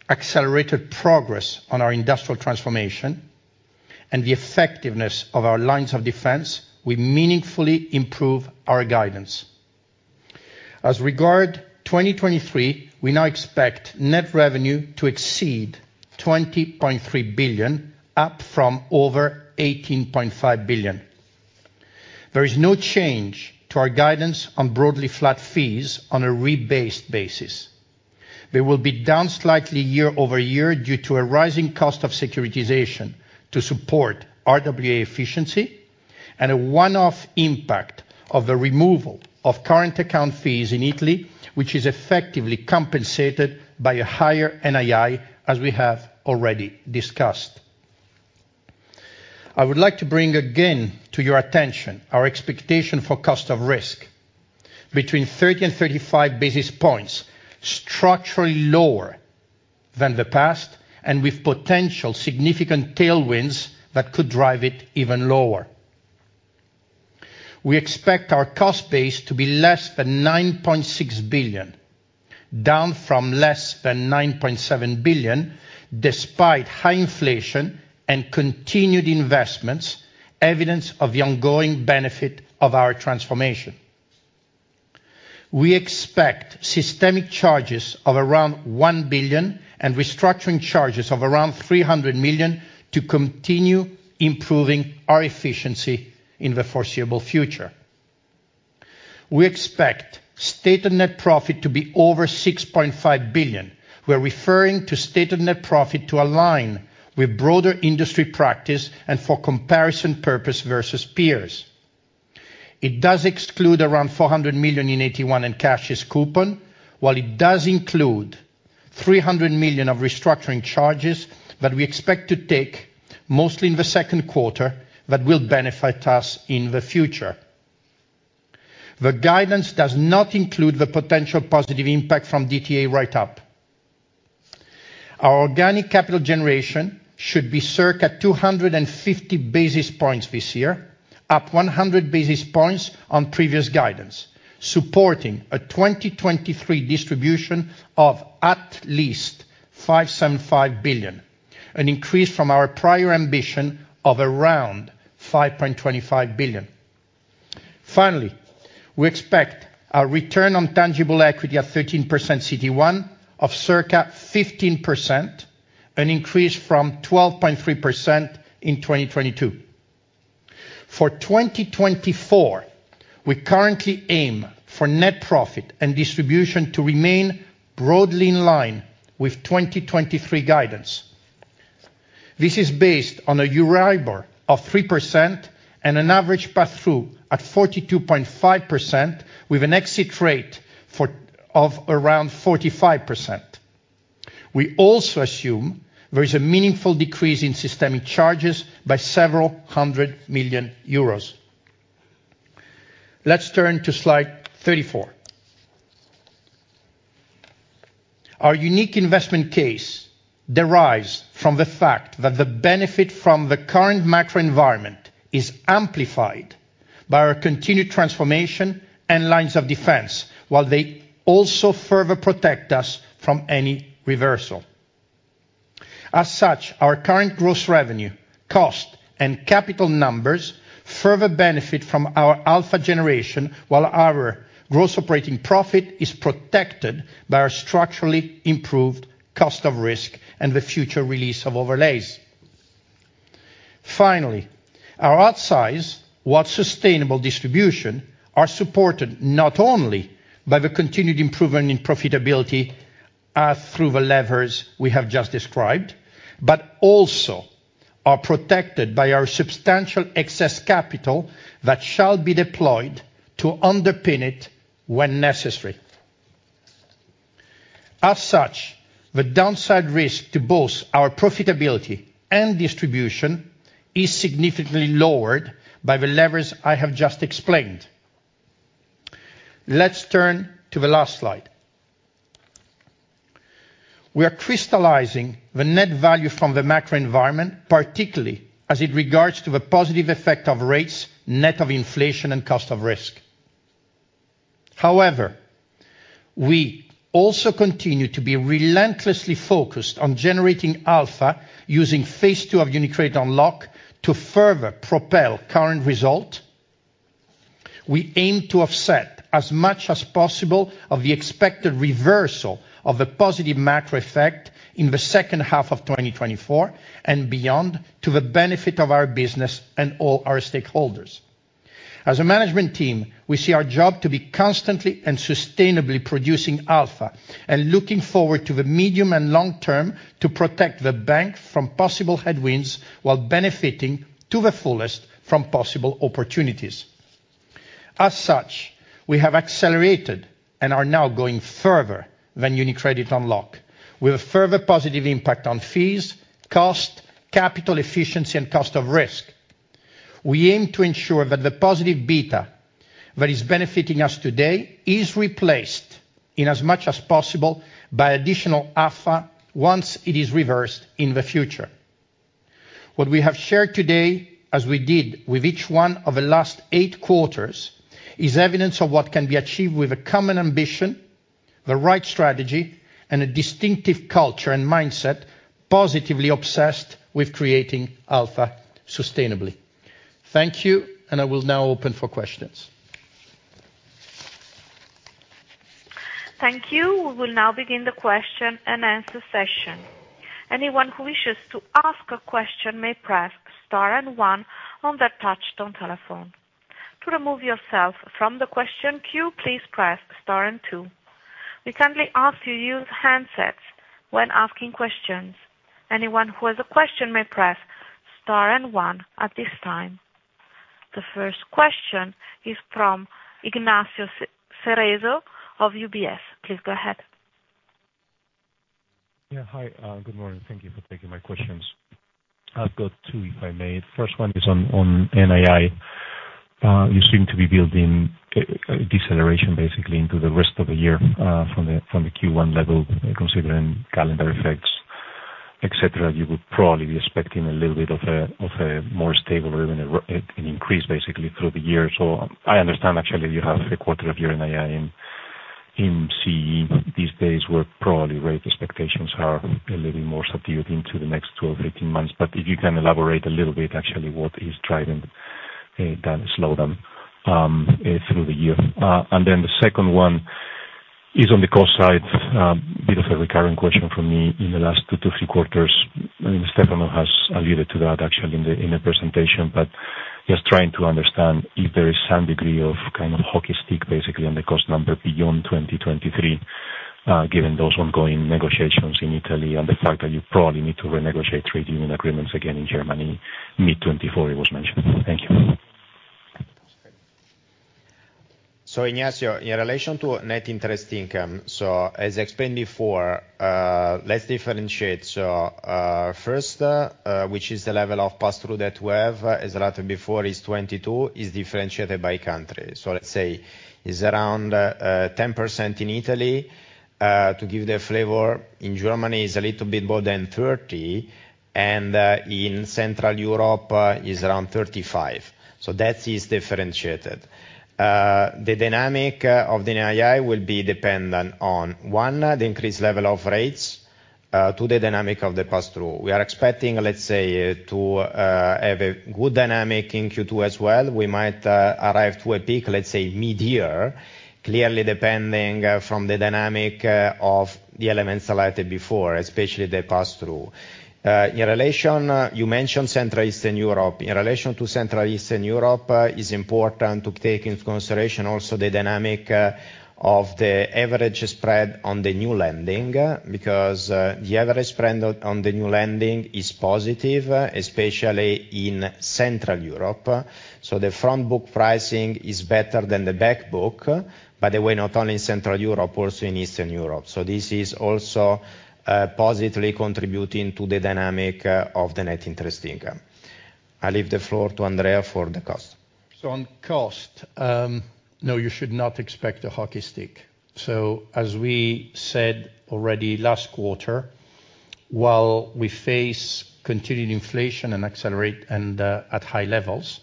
accelerated progress on our industrial transformation, and the effectiveness of our lines of defense, we meaningfully improve our guidance. As regard 2023, we now expect net revenue to exceed 20.3 billion, up from over 18.5 billion. There is no change to our guidance on broadly flat fees on a rebased basis. They will be down slightly year-over-year due to a rising cost of securitization to support RWA efficiency and a one-off impact of the removal of current account fees in Italy, which is effectively compensated by a higher NII, as we have already discussed. I would like to bring again to your attention our expectation for cost of risk between 30 and 35 basis points, structurally lower than the past and with potential significant tailwinds that could drive it even lower. We expect our cost base to be less than 9.6 billion, down from less than 9.7 billion, despite high inflation and continued investments, evidence of the ongoing benefit of our transformation. We expect systemic charges of around 1 billion and restructuring charges of around 300 million to continue improving our efficiency in the foreseeable future. We expect stated net profit to be over 6.5 billion. We are referring to stated net profit to align with broader industry practice and for comparison purpose versus peers. It does exclude around 400 million in AT1 and CASHES coupon, while it does include 300 million of restructuring charges that we expect to take mostly in the second quarter that will benefit us in the future. The guidance does not include the potential positive impact from DTA write-up. Our organic capital generation should be circa 250 basis points this year, up 100 basis points on previous guidance, supporting a 2023 distribution of at least 5.75 billion, an increase from our prior ambition of around 5.25 billion. We expect our return on tangible equity of 13% CET1 of circa 15%, an increase from 12.3% in 2022. For 2024, we currently aim for net profit and distribution to remain broadly in line with 2023 guidance. This is based on a Euribor of 3% and an average pass-through at 42.5% with an exit rate of around 45%. We also assume there is a meaningful decrease in systemic charges by several hundred million EUR. Let's turn to slide 34. Our unique investment case derives from the fact that the benefit from the current macro environment is amplified by our continued transformation and lines of defense, while they also further protect us from any reversal. Our current gross revenue, cost, and capital numbers further benefit from our alpha generation, while our gross operating profit is protected by our structurally improved cost of risk and the future release of overlays. Finally, our outsize, while sustainable distribution, are supported not only by the continued improvement in profitability, through the levers we have just described, but also are protected by our substantial excess capital that shall be deployed to underpin it when necessary. As such, the downside risk to both our profitability and distribution is significantly lowered by the levers I have just explained. Let's turn to the last slide. We are crystallizing the net value from the macro environment, particularly as it regards to the positive effect of rates, net of inflation and cost of risk. However, we also continue to be relentlessly focused on generating alpha using phase two of UniCredit Unlocked to further propel current result. We aim to offset as much as possible of the expected reversal of the positive macro effect in the second half of 2024 and beyond to the benefit of our business and all our stakeholders. As a management team, we see our job to be constantly and sustainably producing alpha and looking forward to the medium and long term to protect the bank from possible headwinds while benefiting to the fullest from possible opportunities. As such, we have accelerated and are now going further than UniCredit Unlocked with a further positive impact on fees, cost, capital efficiency, and cost of risk. We aim to ensure that the positive beta that is benefiting us today is replaced in as much as possible by additional alpha once it is reversed in the future. What we have shared today, as we did with each one of the last eight quarters, is evidence of what can be achieved with a common ambition, the right strategy, and a distinctive culture and mindset positively obsessed with creating alpha sustainably. Thank you. I will now open for questions. Thank you. We will now begin the question and answer session. Anyone who wishes to ask a question may press star and 1 on their touch-tone telephone. To remove yourself from the question queue, please press star and two. We kindly ask you to use handsets when asking questions. Anyone who has a question may press star and one at this time. The first question is from Ignacio Cerezo of UBS. Please go ahead. Yeah. Hi, good morning. Thank you for taking my questions. I've got 2, if I may. First one is on NII. You seem to be building a deceleration basically into the rest of the year, from the Q1 level, considering calendar effects, et cetera. You would probably be expecting a little bit of a, of a more stable or even an increase basically through the year. I understand actually you have a quarter of your NII in CE these days, where probably rate expectations are a little more subdued into the next 12, 18 months. If you can elaborate a little bit actually what is driving that slowdown through the year. Then the second one is on the cost side. Bit of a recurring question from me in the last two to three quarters. Stefano has alluded to that actually in the presentation. Just trying to understand if there is some degree of kind of hockey stick basically on the cost number beyond 2023, given those ongoing negotiations in Italy and the fact that you probably need to renegotiate rate agreements again in Germany, mid-2024 it was mentioned. Thank you. Ignacio Cerezo, in relation to net interest income, as explained before, let's differentiate. First, which is the level of pass-through that we have, as I wrote before, is 22, is differentiated by country. Let's say is around 10% in Italy. To give the flavor, in Germany is a little bit more than 30, and in Central Europe is around 35. That is differentiated. The dynamic of the NII will be dependent on, 1, the increased level of rates, to the dynamic of the pass-through. We are expecting, let's say, to have a good dynamic in Q2 as well. We might arrive to a peak, let's say mid-year, clearly depending from the dynamic of the elements highlighted before, especially the pass-through. In relation, you mentioned Central Eastern Europe. In relation to Central Eastern Europe, it's important to take into consideration also the dynamic of the average spread on the new lending, because the average spread on the new lending is positive, especially in Central Europe. The front book pricing is better than the back book. By the way, not only in Central Europe, also in Eastern Europe. This is also positively contributing to the dynamic of the net interest income. I leave the floor to Andrea for the cost. On cost, no, you should not expect a hockey stick. As we said already last quarter, while we face continued inflation and accelerate at high levels,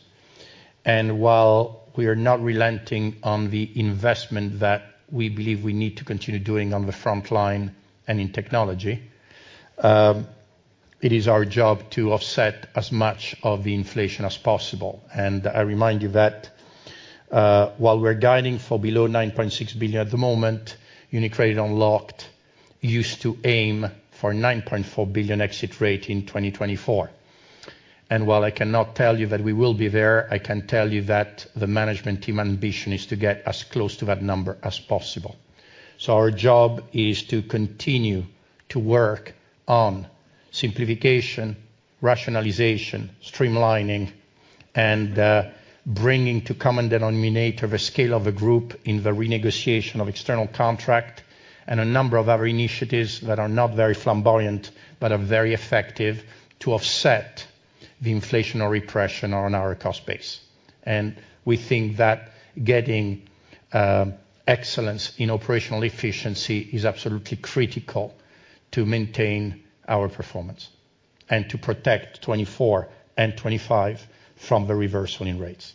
and while we are not relenting on the investment that we believe we need to continue doing on the front line and in technology, it is our job to offset as much of the inflation as possible. I remind you that, while we're guiding for below 9.6 billion at the moment, UniCredit Unlocked used to aim for 9.4 billion exit rate in 2024. While I cannot tell you that we will be there, I can tell you that the management team ambition is to get as close to that number as possible. Our job is to continue to work on simplification, rationalization, streamlining and bringing to common denominator the scale of the group in the renegotiation of external contract and a number of other initiatives that are not very flamboyant, but are very effective to offset the inflationary pressure on our cost base. We think that getting excellence in operational efficiency is absolutely critical to maintain our performance and to protect 2024 and 2025 from the reverse winning rates.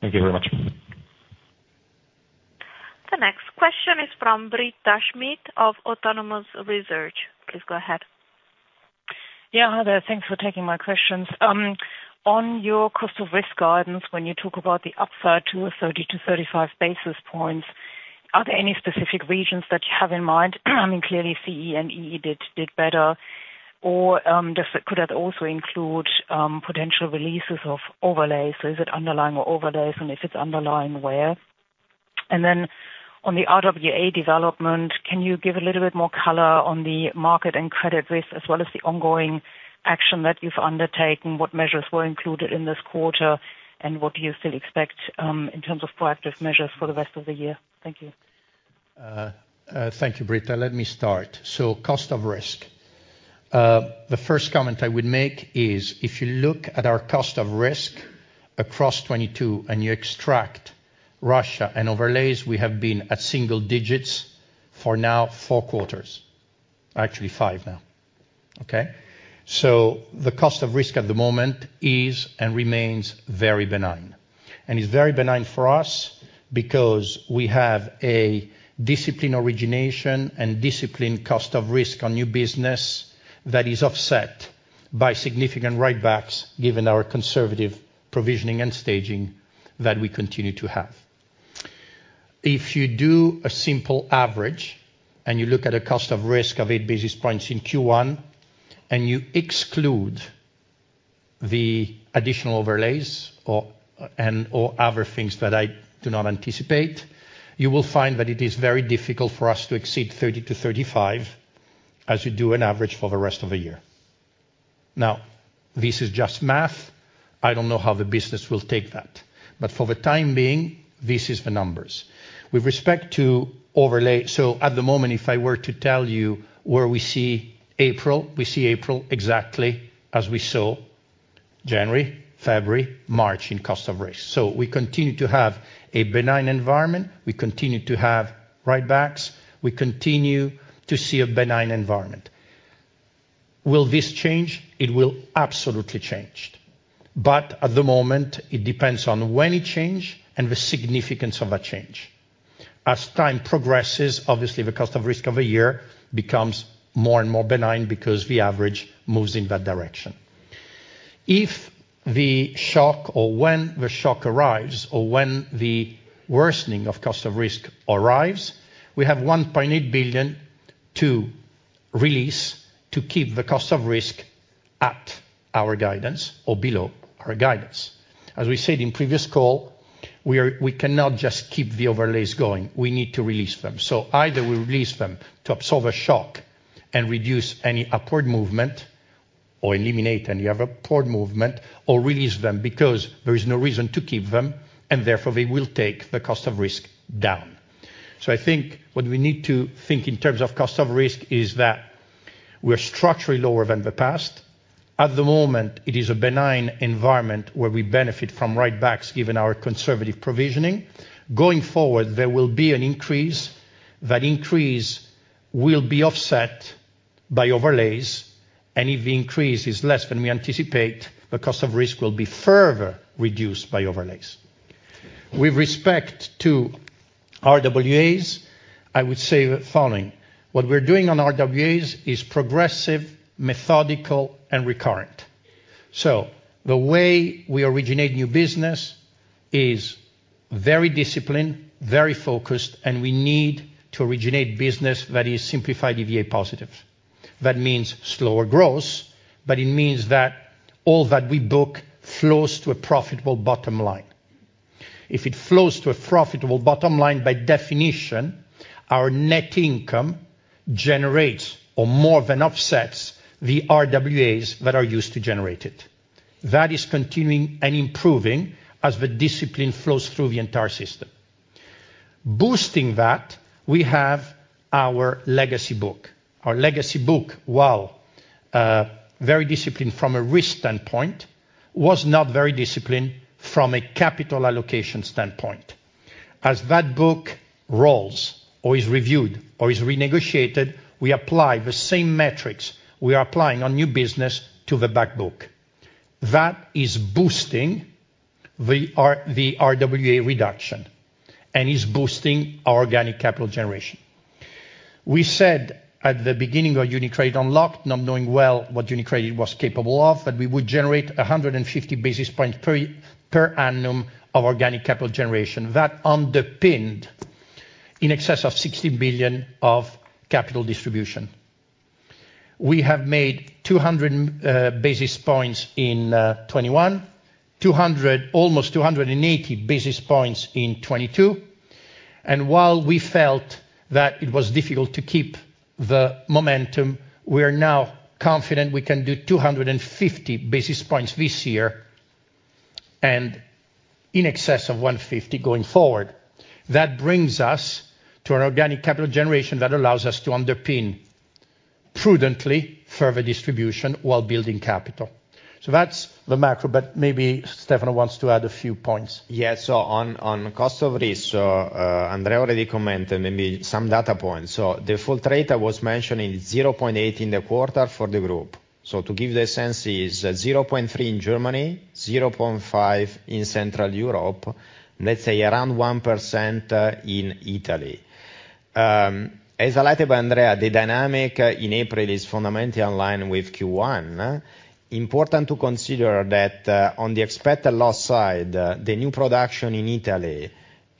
Thank you very much. The next question is from Britta Schmidt of Autonomous Research. Please go ahead. Yeah. Hi there. Thanks for taking my questions. On your cost of risk guidance, when you talk about the upside to 30 basis points-35 basis points, are there any specific regions that you have in mind? I mean, clearly, CE and EE did better. Could that also include potential releases of overlays? Is it underlying or overlays? If it's underlying, where? On the RWA development, can you give a little bit more color on the market and credit risk as well as the ongoing action that you've undertaken? What measures were included in this quarter? What do you still expect in terms of proactive measures for the rest of the year? Thank you. Thank you, Britta. Let me start. Cost of risk. The first comment I would make is if you look at our cost of risk across 22, and you extract Russia and overlays, we have been at single digits for now four quarters. Actually five now. Okay? The cost of risk at the moment is and remains very benign. It's very benign for us because we have a disciplined origination and disciplined cost of risk on new business that is offset by significant write-backs given our conservative provisioning and staging that we continue to have. If you do a simple average, and you look at a cost of risk of 8 basis points in Q1, and you exclude the additional overlays or, and, or other things that I do not anticipate, you will find that it is very difficult for us to exceed 30-35 as you do an average for the rest of the year. This is just math. I don't know how the business will take that, but for the time being, this is the numbers. With respect to overlay, at the moment, if I were to tell you where we see April, we see April exactly as we saw January, February, March in cost of risk. We continue to have a benign environment. We continue to have write backs. We continue to see a benign environment. Will this change? It will absolutely change, but at the moment it depends on when it change and the significance of that change. As time progresses, obviously the cost of risk of a year becomes more and more benign because the average moves in that direction. If the shock or when the shock arrives, or when the worsening of cost of risk arrives, we have 1.8 billion to release to keep the cost of risk at our guidance or below our guidance. As we said in previous call, we cannot just keep the overlays going. We need to release them. Either we release them to absorb a shock and reduce any upward movement or eliminate any other upward movement, or release them because there is no reason to keep them, and therefore, they will take the cost of risk down. I think what we need to think in terms of cost of risk is that we are structurally lower than the past. At the moment, it is a benign environment where we benefit from write backs given our conservative provisioning. Going forward, there will be an increase. That increase will be offset by overlays, and if the increase is less than we anticipate, the cost of risk will be further reduced by overlays. With respect to RWAs, I would say the following. What we're doing on RWAs is progressive, methodical, and recurrent. The way we originate new business is very disciplined, very focused, and we need to originate business that is simplified EVA positive. That means slower growth, but it means that all that we book flows to a profitable bottom line. If it flows to a profitable bottom line, by definition, our net income generates or more than offsets the RWAs that are used to generate it. That is continuing and improving as the discipline flows through the entire system. Boosting that, we have our legacy book. Our legacy book, while very disciplined from a risk standpoint, was not very disciplined from a capital allocation standpoint. As that book rolls or is reviewed or is renegotiated, we apply the same metrics we are applying on new business to the back book. That is boosting the RWA reduction and is boosting our organic capital generation. We said at the beginning of UniCredit Unlocked, not knowing well what UniCredit was capable of, that we would generate 150 basis points per annum of organic capital generation. That underpinned in excess of 60 billion of capital distribution. We have made 200 basis points in 2021. Almost 280 basis points in 2022, and while we felt that it was difficult to keep the momentum, we are now confident we can do 250 basis points this year and in excess of 150 going forward. That brings us to an organic capital generation that allows us to underpin prudently further distribution while building capital. That's the macro, but maybe Stefano wants to add a few points. Yeah. On, on cost of risk, Andrea already commented, maybe some data points. The full trade I was mentioning, 0.8% in the quarter for the group. To give the sense is 0.3% in Germany, 0.5% in Central Europe, let’s say around 1% in Italy. As highlighted by Andrea, the dynamic in April is fundamentally in line with Q1. Important to consider that on the expected loss side, the new production in Italy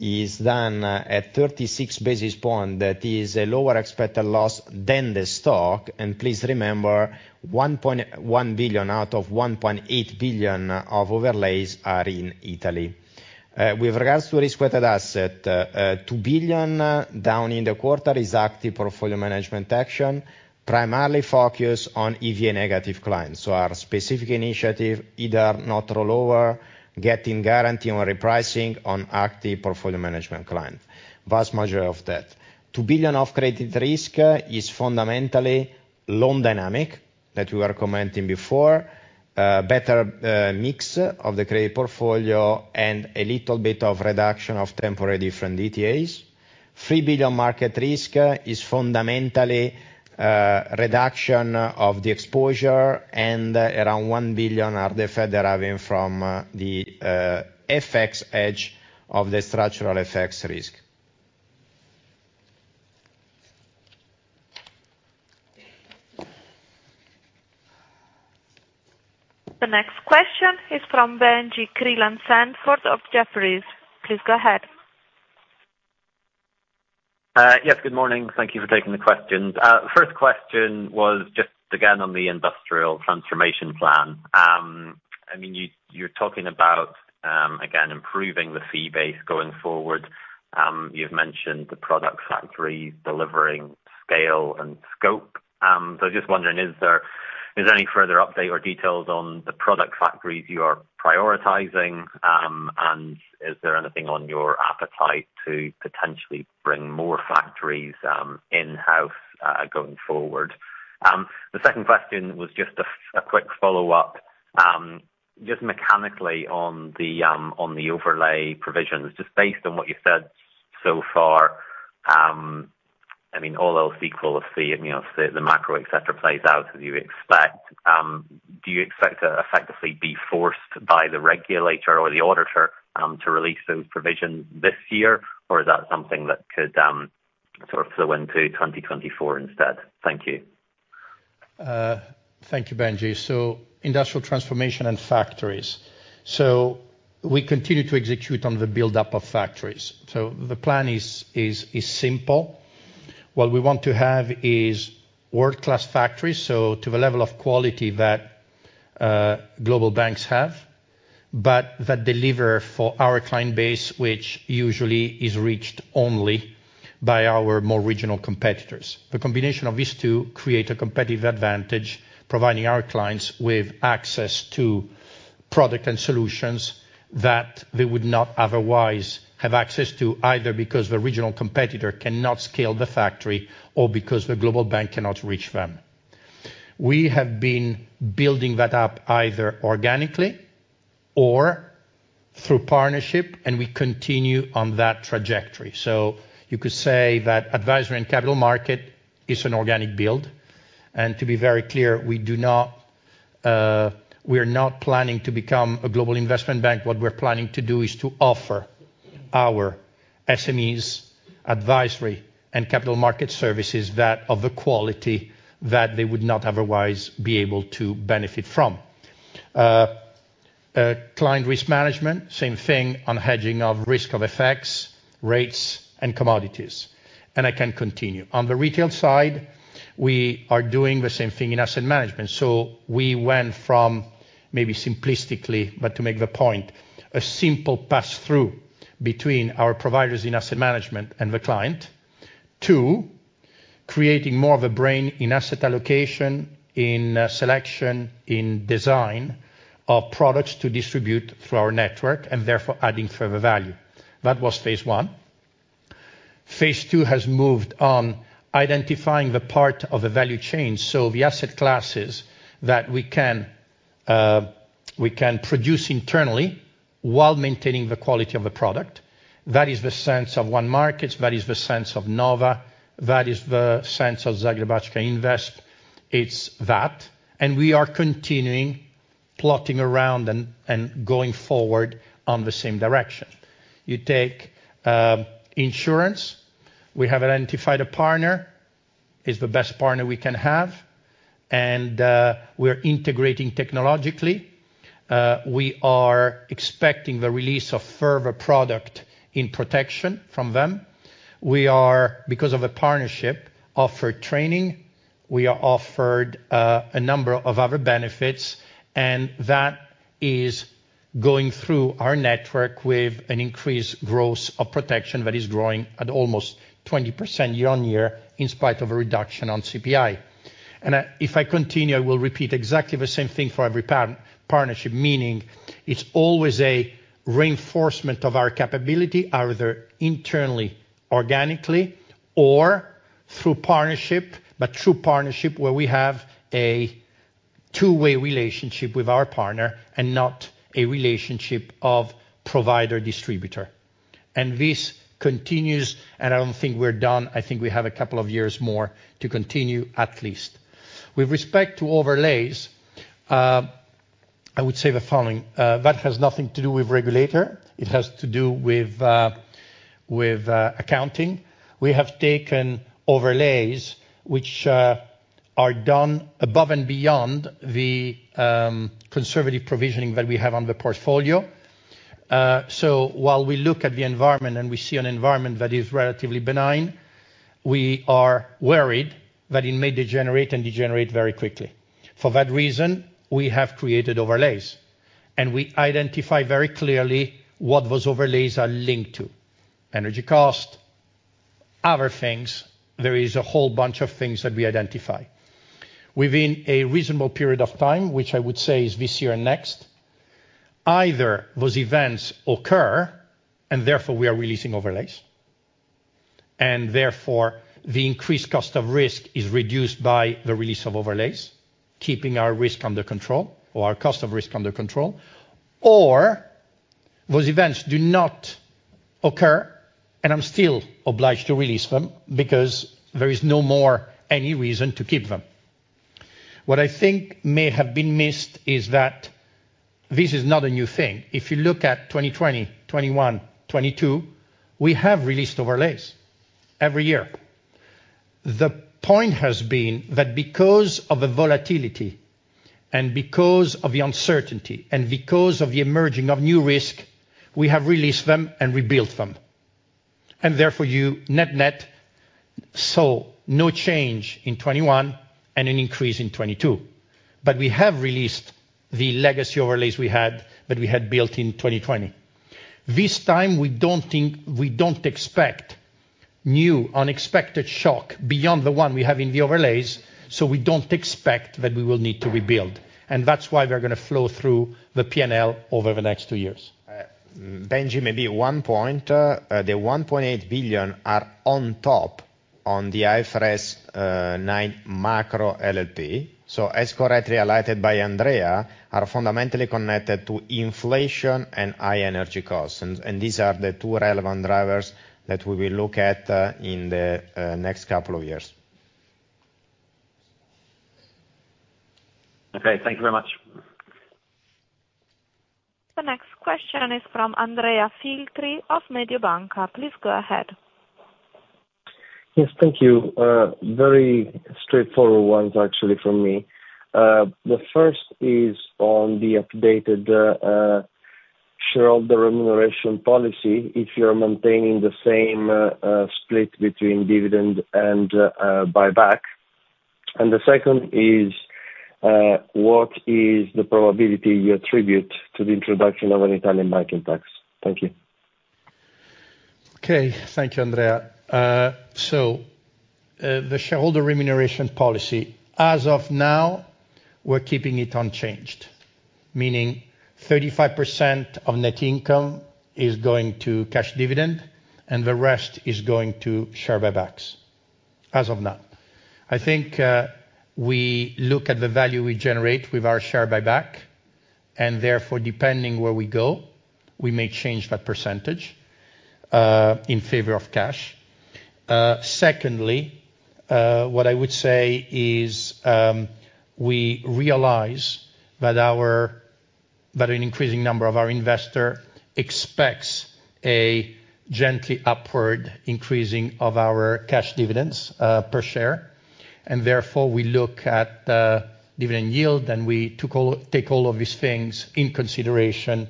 is done at 36 basis points. That is a lower expected loss than the stock, and please remember 1.1 billion out of 1.8 billion of overlays are in Italy. With regards to risk-weighted asset, 2 billion down in the quarter is active portfolio management action, primarily focused on EVA negative clients. Our specific initiative, either not rollover, getting guarantee on repricing on active portfolio management client. Vast majority of that. 2 billion of credit risk is fundamentally loan dynamic that we were commenting before. Better mix of the credit portfolio and a little bit of reduction of temporary different DTAs. 3 billion market risk is fundamentally reduction of the exposure and around 1 billion are the fed deriving from the FX hedge of the structural FX risk. The next question is from Benji Creelan-Sanford of Jefferies. Please go ahead. Yes, good morning. Thank you for taking the questions. First question was just again on the industrial transformation plan. I mean, you're talking about again, improving the fee base going forward. You've mentioned the product factory delivering scale and scope. So just wondering, is there any further update or details on the product factories you are prioritizing? And is there anything on your appetite to potentially bring more factories in-house going forward? The second question was just a quick follow-up just mechanically on the overlay provisions. Just based on what you said so far, I mean, all else equal if the, you know, the macro, et cetera, plays out as you expect, do you expect to effectively be forced by the regulator or the auditor, to release those provisions this year? Or is that something that could, sort of flow into 2024 instead? Thank you. Thank you, Benji. Industrial transformation and factories. We continue to execute on the buildup of factories. The plan is simple. What we want to have is world-class factories, so to the level of quality that global banks have, but that deliver for our client base, which usually is reached only by our more regional competitors. The combination of these two create a competitive advantage, providing our clients with access to product and solutions that they would not otherwise have access to, either because the regional competitor cannot scale the factory or because the global bank cannot reach them. We have been building that up either organically or through partnership, and we continue on that trajectory. You could say that advisory and capital market is an organic build. To be very clear, we are not planning to become a global investment bank. What we're planning to do is to offer our SMEs advisory and capital market services that have the quality that they would not otherwise be able to benefit from. Client risk management, same thing on hedging of risk of effects, rates and commodities. I can continue. On the retail side, we are doing the same thing in asset management. We went from maybe simplistically, but to make the point, a simple pass-through between our providers in asset management and the client to creating more of a brain in asset allocation, in selection, in design of products to distribute through our network. Therefore adding further value. That was Phase I. Phase two has moved on identifying the part of the value chain, so the asset classes that we can, we can produce internally while maintaining the quality of the product. That is the sense of onemarkets, that is the sense of Nova, that is the sense of Zagrebačka invest. It's that, we are continuing plotting around and going forward on the same direction. You take insurance. We have identified a partner. He's the best partner we can have, we're integrating technologically. We are expecting the release of further product in protection from them. We are, because of a partnership, offered training. We are offered a number of other benefits, that is going through our network with an increased growth of protection that is growing at almost 20% year-on-year in spite of a reduction on CPI. If I continue, I will repeat exactly the same thing for every part-partnership. Meaning it's always a reinforcement of our capability, either internally, organically, or through partnership, but through partnership where we have a two-way relationship with our partner and not a relationship of provider distributor. This continues, and I don't think we're done. I think we have a couple of years more to continue, at least. With respect to overlays, I would say the following, that has nothing to do with regulator. It has to do with accounting. We have taken overlays which are done above and beyond the conservative provisioning that we have on the portfolio. While we look at the environment and we see an environment that is relatively benign, we are worried that it may degenerate and degenerate very quickly. For that reason, we have created overlays, and we identify very clearly what those overlays are linked to. Energy cost, other things. There is a whole bunch of things that we identify. Within a reasonable period of time, which I would say is this year and next, either those events occur and therefore we are releasing overlays, and therefore the increased cost of risk is reduced by the release of overlays, keeping our risk under control or our cost of risk under control, or those events do not occur and I'm still obliged to release them because there is no more any reason to keep them. What I think may have been missed is that this is not a new thing. If you look at 2020, 2021, 2022, we have released overlays every year. The point has been that because of the volatility, and because of the uncertainty, and because of the emerging of new risk, we have released them and rebuilt them. Therefore you net-net saw no change in 2021 and an increase in 2022. We have released the legacy overlays we had, that we had built in 2020. This time we don't expect new unexpected shock beyond the one we have in the overlays, we don't expect that we will need to rebuild. That's why we are gonna flow through the P&L over the next two years. Benji, maybe one point. The 1.8 billion are on top on the IFRS nine macro LLP. As correctly highlighted by Andrea, are fundamentally connected to inflation and high energy costs, and these are the two relevant drivers that we will look at in the next couple of years. Okay, thank you very much. The next question is from Andrea Filtri of Mediobanca. Please go ahead. Yes, thank you. very straightforward ones actually from me. The first is on the updated shareholder remuneration policy, if you're maintaining the same split between dividend and buyback. The second is what is the probability you attribute to the introduction of an Italian banking tax? Thank you. Okay, thank you, Andrea. The shareholder remuneration policy. As of now, we're keeping it unchanged. Meaning 35% of net income is going to cash dividend. The rest is going to share buybacks, as of now. I think, we look at the value we generate with our share buyback. Therefore depending where we go, we may change that percentage in favor of cash. Secondly, what I would say is, we realize that an increasing number of our investor expects a gently upward increasing of our cash dividends per share. Therefore we look at dividend yield, and we take all of these things in consideration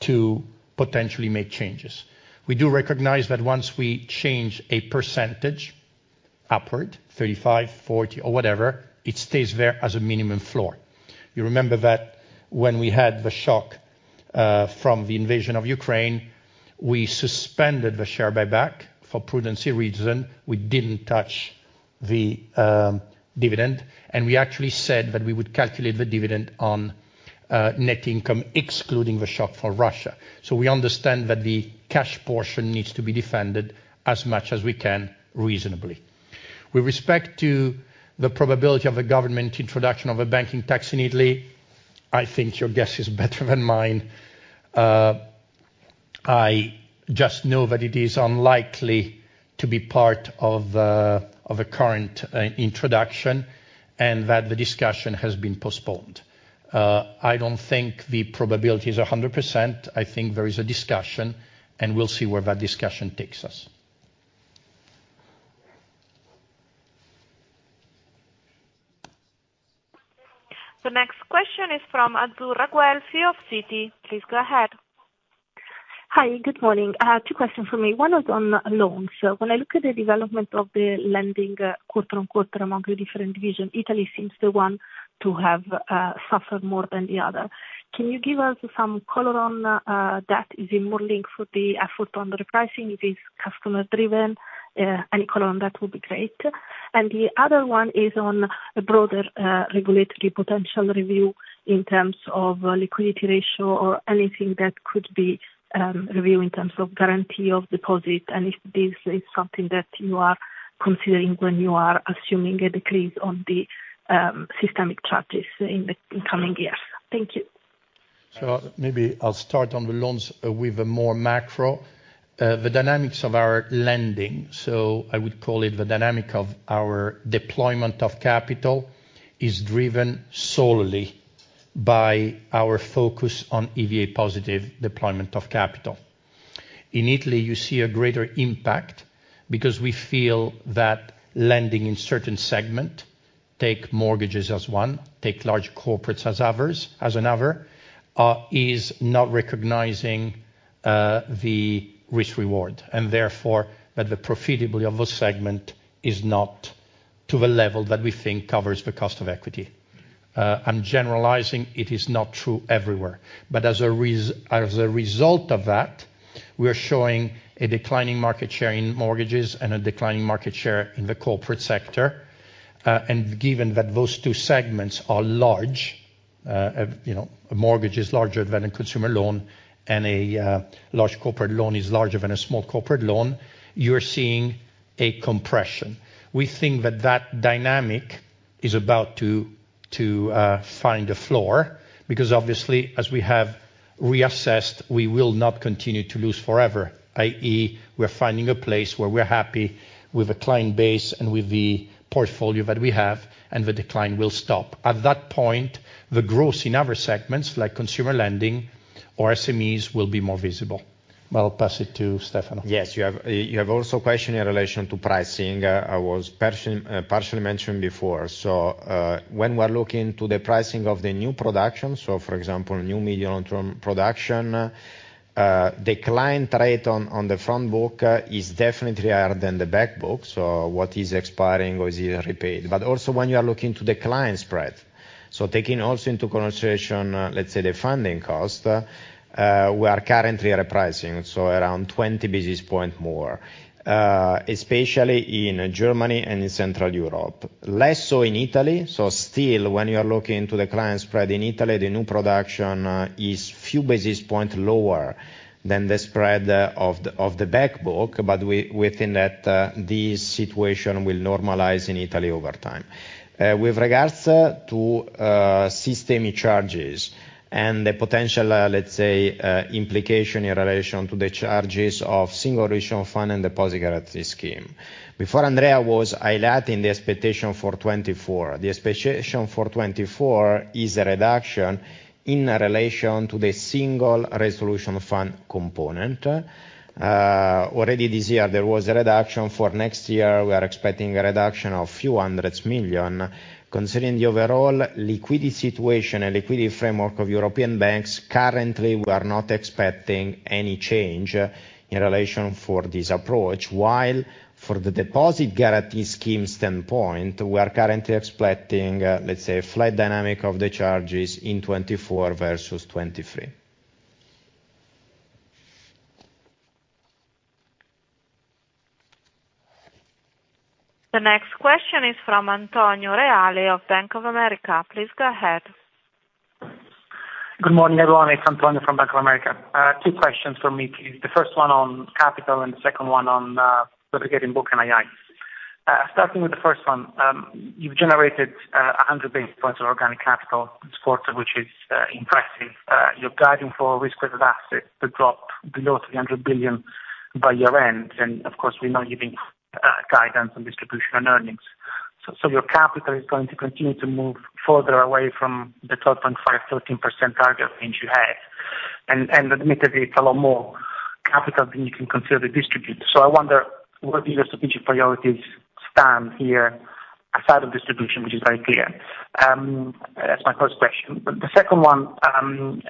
to potentially make changes. We do recognize that once we change a percentage upward, 35, 40 or whatever, it stays there as a minimum floor. You remember that when we had the shock from the invasion of Ukraine, we suspended the share buyback for prudency reason. We didn't touch the dividend, and we actually said that we would calculate the dividend on net income, excluding the shock for Russia. We understand that the cash portion needs to be defended as much as we can, reasonably. With respect to the probability of a government introduction of a banking tax in Italy, I think your guess is better than mine. I just know that it is unlikely to be part of a current introduction, and that the discussion has been postponed. I don't think the probability is 100%. I think there is a discussion, and we'll see where that discussion takes us. The next question is from Azzurra Guelfi of Citi. Please go ahead. Hi, good morning. I have two questions for me. One is on loans. When I look at the development of the lending, quarter-on-quarter among the different divisions, Italy seems the one to have suffered more than the other. Can you give us some color on that? Is it more linked with the effort on the repricing, if it's customer driven? Any color on that would be great. The other one is on a broader regulatory potential review in terms of liquidity ratio or anything that could be reviewed in terms of guarantee of deposit, and if this is something that you are considering when you are assuming a decrease on the systemic charges in the coming years. Thank you. Maybe I'll start on the loans with a more macro. The dynamics of our lending, so I would call it the dynamic of our deployment of capital, is driven solely by our focus on EVA positive deployment of capital. In Italy, you see a greater impact because we feel that lending in certain segment, take mortgages as one, take large corporates as others, as another, is not recognizing the risk reward, and therefore that the profitability of those segment is not to the level that we think covers the cost of equity. I'm generalizing, it is not true everywhere. As a result of that, we are showing a declining market share in mortgages and a declining market share in the corporate sector. Given that those two segments are large, you know, a mortgage is larger than a consumer loan and a large corporate loan is larger than a small corporate loan, you are seeing a compression. We think that that dynamic is about to find a floor, because obviously as we have reassessed, we will not continue to lose forever, i.e., we're finding a place where we're happy with the client base and with the portfolio that we have and the decline will stop. At that point, the growth in other segments, like consumer lending or SMEs, will be more visible. I'll pass it to Stefano. Yes. You have also questioned in relation to pricing. I was partially mentioned before. When we are looking to the pricing of the new production, for example, new medium to long-term production, the client rate on the front book is definitely higher than the back book, so what is expiring or is it repaid. Also when you are looking to the client spread, so taking also into consideration, let's say, the funding cost, we are currently repricing, around 20 basis point more, especially in Germany and in Central Europe. Less so in Italy, still when you are looking to the client spread in Italy, the new production is few basis point lower than the spread of the back book, within that, this situation will normalize in Italy over time. With regards to systemic charges and the potential, let's say, implication in relation to the charges of Single Resolution Fund and the Deposit Guarantee Scheme. Before Andrea was highlighting the expectation for 2024. The expectation for 2024 is a reduction in relation to the Single Resolution Fund component. Already this year there was a reduction. For next year, we are expecting a reduction of EUR few hundreds million. Considering the overall liquidity situation and liquidity framework of European banks, currently we are not expecting any change in relation for this approach. For the Deposit Guarantee Scheme standpoint, we are currently expecting, let's say a flat dynamic of the charges in 2024 versus 2023. The next question is from Antonio Reale of Bank of America. Please go ahead. Good morning, everyone. It's Antonio from Bank of America. Two questions from me, please. The first one on capital and the second one on replicating book NII. Starting with the first one, you've generated 100 basis points of organic capital this quarter, which is impressive. You're guiding for risk-adjusted assets to drop below 300 billion by year-end, of course, we're not giving guidance on distribution earnings. So your capital is going to continue to move further away from the 12.5%-13% target range you have. Admittedly it's a lot more capital than you can consider to distribute. I wonder where the strategic priorities stand here outside of distribution, which is very clear. That's my first question. The second one,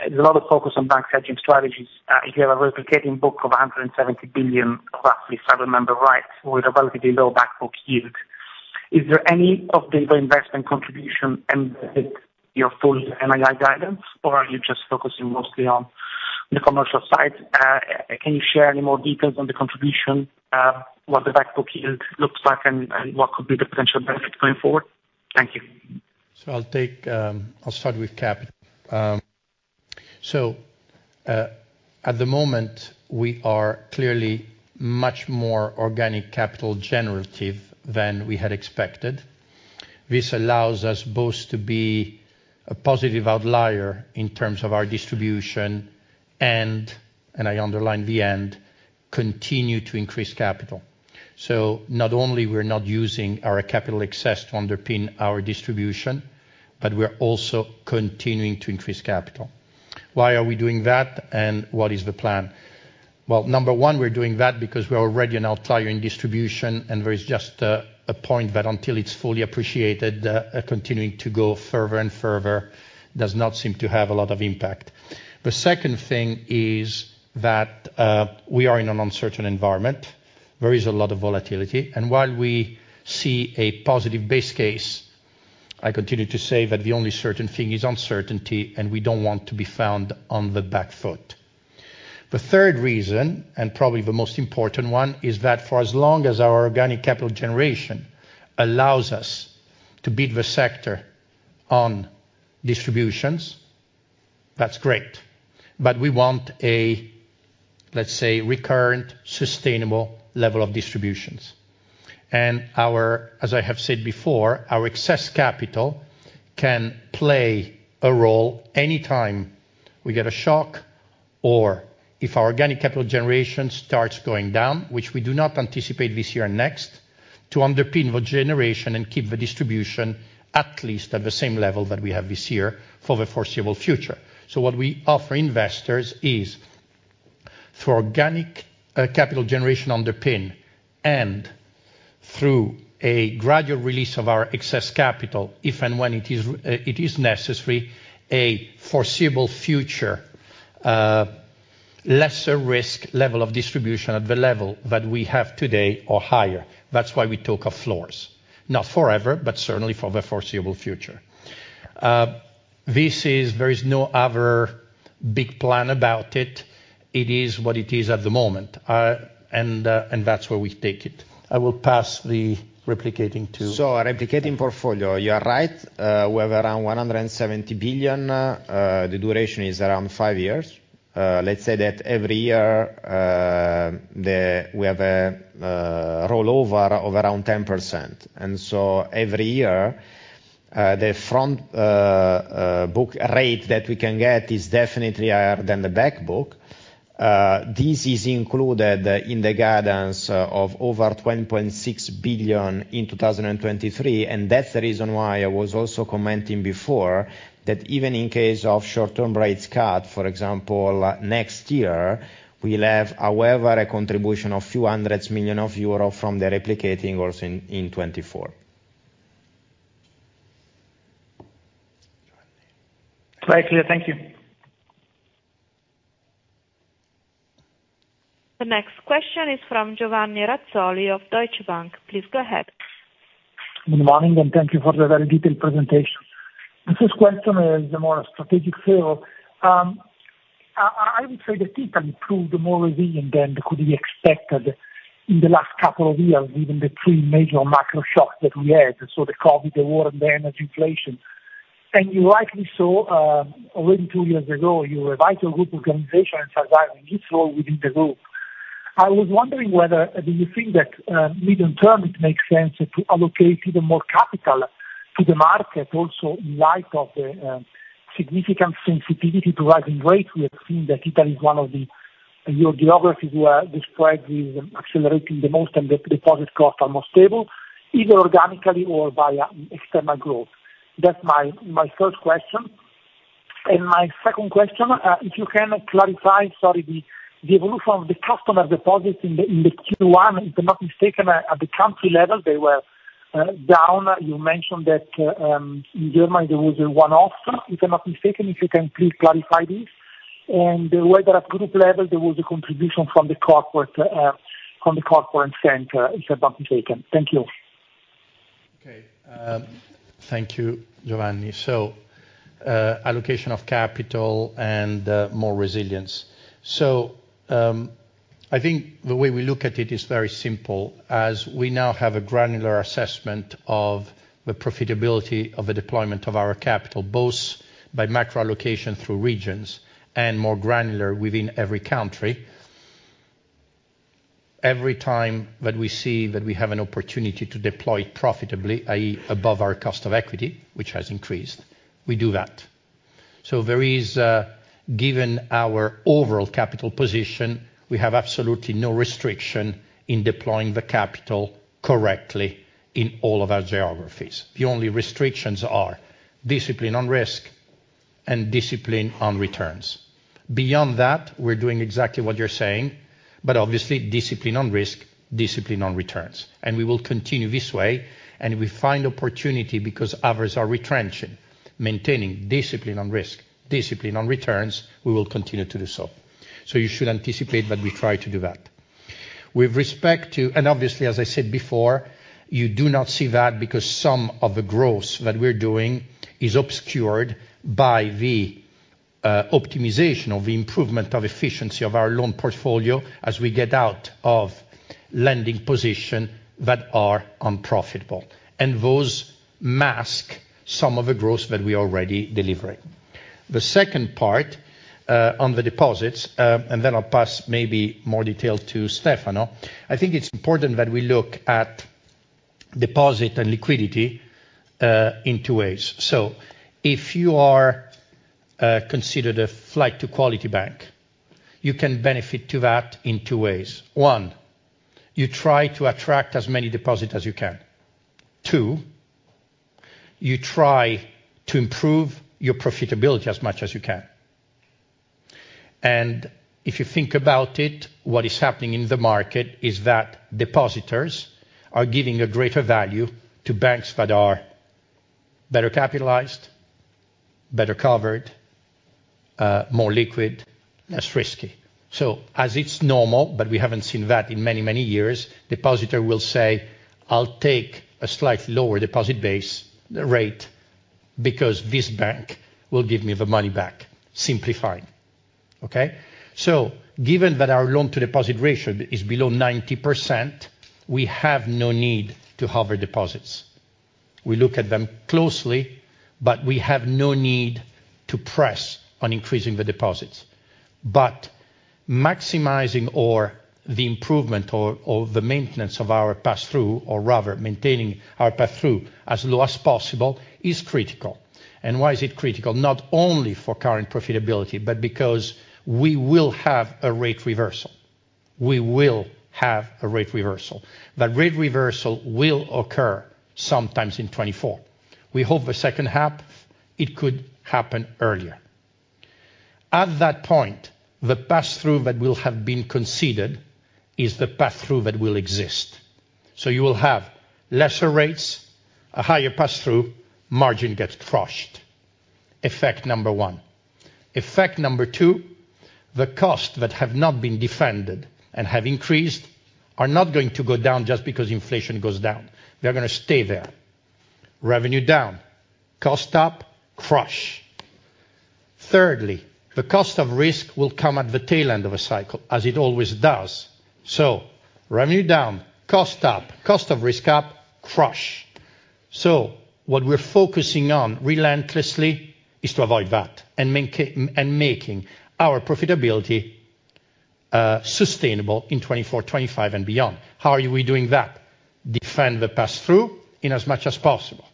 there's a lot of focus on bank hedging strategies. If you have a replicating book of 170 billion across these private member rights with a relatively low back book yield. Is there any of the investment contribution embedded your full NII guidance, or are you just focusing mostly on the commercial side? Can you share any more details on the contribution, what the back book yield looks like and what could be the potential benefit going forward? Thank you. I'll take. I'll start with capital. At the moment, we are clearly much more organic capital generative than we had expected. This allows us both to be a positive outlier in terms of our distribution and I underline the and, continue to increase capital. Not only we're not using our capital excess to underpin our distribution, but we're also continuing to increase capital. Why are we doing that, and what is the plan? Number 1, we're doing that because we're already an outlier in distribution, and there is just a point that until it's fully appreciated, continuing to go further and further does not seem to have a lot of impact. The second thing is that we are in an uncertain environment. There is a lot of volatility, and while we see a positive base case, I continue to say that the only certain thing is uncertainty, and we don't want to be found on the back foot. The third reason, and probably the most important one, is that for as long as our organic capital generation allows us to beat the sector on distributions, that's great. We want a, let's say, recurrent, sustainable level of distributions. Our, as I have said before, our excess capital can play a role any time we get a shock or if our organic capital generation starts going down, which we do not anticipate this year or next, to underpin the generation and keep the distribution at least at the same level that we have this year for the foreseeable future. What we offer investors is, through organic capital generation underpin and through a gradual release of our excess capital, if and when it is necessary, a foreseeable future, lesser risk level of distribution at the level that we have today or higher. That's why we talk of floors. Not forever, but certainly for the foreseeable future. This is there is no other big plan about it. It is what it is at the moment. That's where we take it. I will pass the replicating. Our replicating portfolio, you are right. We have around 170 billion. The duration is around five years. Let's say that every year, we have a rollover of around 10%. Every year. The front book rate that we can get is definitely higher than the back book. This is included in the guidance of over 20.6 billion in 2023. That's the reason why I was also commenting before, that even in case of short-term rates cut, for example, next year, we'll have, however, a contribution of few hundreds million EUR from the replicating also in 2024. Very clear. Thank you. The next question is from Giovanni Razzoli of Deutsche Bank. Please go ahead. Good morning. Thank you for the very detailed presentation. The first question is a more strategic feel. I would say that Italy proved more resilient than could be expected in the last couple of years, even the three major macro shocks that we had, so the COVID, the war, and the energy inflation. You likely saw already two years ago, you revised your group organization and survived a new role within the group. I was wondering whether, do you think that medium-term it makes sense to allocate even more capital to the market also in light of the significant sensitivity to rising rates? We have seen that Your geographies were described is accelerating the most, and the deposit costs are more stable, either organically or via external growth. That's my first question. My second question, if you can clarify, sorry, the evolution of the customer deposits in the Q1, if I'm not mistaken, at the country level, they were down. You mentioned that, in Germany, there was a one-off, if I'm not mistaken, if you can please clarify this. Whether at group level there was a contribution from the corporate center, if I'm not mistaken. Thank you. Okay. Thank you, Giovanni. Allocation of capital and more resilience. I think the way we look at it is very simple. As we now have a granular assessment of the profitability of the deployment of our capital, both by macro-location through regions and more granular within every country. Every time that we see that we have an opportunity to deploy profitably, i.e., above our cost of equity, which has increased, we do that. Given our overall capital position, we have absolutely no restriction in deploying the capital correctly in all of our geographies. The only restrictions are discipline on risk and discipline on returns. Beyond that, we're doing exactly what you're saying, but obviously discipline on risk, discipline on returns. We will continue this way, and if we find opportunity because others are retrenching, maintaining discipline on risk, discipline on returns, we will continue to do so. You should anticipate that we try to do that. Obviously, as I said before, you do not see that because some of the growth that we're doing is obscured by the optimization or the improvement of efficiency of our loan portfolio as we get out of lending position that are unprofitable. Those mask some of the growth that we are already delivering. The second part on the deposits, and then I'll pass maybe more detail to Stefano, I think it's important that we look at deposit and liquidity in two ways. If you are considered a flight to quality bank, you can benefit to that in two ways. One, you try to attract as many deposits as you can. Two, you try to improve your profitability as much as you can. If you think about it, what is happening in the market is that depositors are giving a greater value to banks that are better capitalized, better covered, more liquid, less risky. As it's normal, but we haven't seen that in many, many years, depositor will say, "I'll take a slightly lower deposit base rate because this bank will give me the money back," simplified. Okay? Given that our loan-to-deposit ratio is below 90%, we have no need to hover deposits. We look at them closely, but we have no need to press on increasing the deposits. Maximizing or the improvement or the maintenance of our pass-through, or rather maintaining our pass-through as low as possible is critical. Why is it critical? Not only for current profitability, but because we will have a rate reversal. We will have a rate reversal. That rate reversal will occur sometimes in 2024. We hope the second half, it could happen earlier. At that point, the pass-through that will have been conceded is the pass-through that will exist. You will have lesser rates, a higher pass-through, margin gets crushed. Effect 1. Effect 2, the costs that have not been defended and have increased are not going to go down just because inflation goes down. They're gonna stay there. Revenue down, cost up, crush. Thirdly, the cost of risk will come at the tail end of a cycle, as it always does. Revenue down, cost up, cost of risk up, crush. What we're focusing on relentlessly is to avoid that and making our profitability sustainable in 2024, 2025 and beyond. How are we doing that? Defend the pass-through in as much as possible.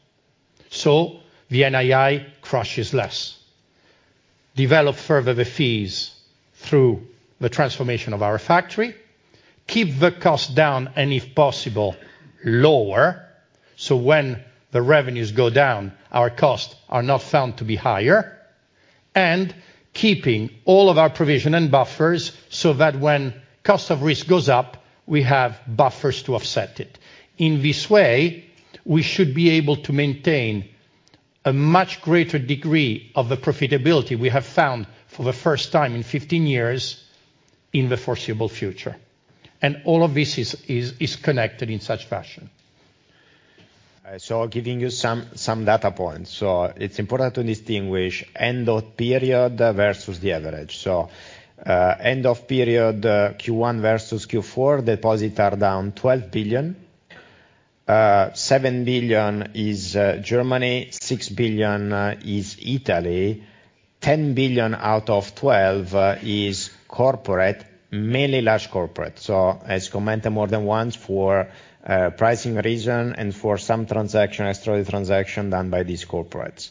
The NII crushes less, develop further the fees through the transformation of our factory, keep the cost down and if possible, lower, so when the revenues go down, our costs are not found to be higher. Keeping all of our provision and buffers so that when cost of risk goes up, we have buffers to offset it. In this way, we should be able to maintain a much greater degree of the profitability we have found for the first time in 15 years in the foreseeable future. All of this is connected in such fashion. Giving you some data points. It's important to distinguish end of period versus the average. End of period, Q1 versus Q4 deposits are down 12 billion. 7 billion is Germany, 6 billion is Italy. 10 billion out of 12 is corporate, mainly large corporate. As commented more than once for pricing reason and for some extraordinary transaction done by these corporates.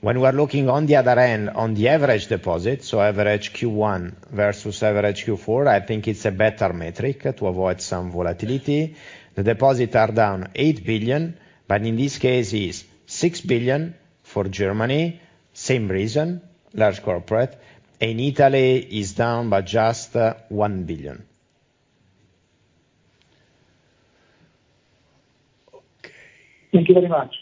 When we're looking on the other end on the average deposit, so average Q1 versus average Q4, I think it's a better metric to avoid some volatility. The deposits are down 8 billion, but in this case it's 6 billion for Germany, same reason, large corporate. In Italy, it's down by just 1 billion. Okay. Thank you very much.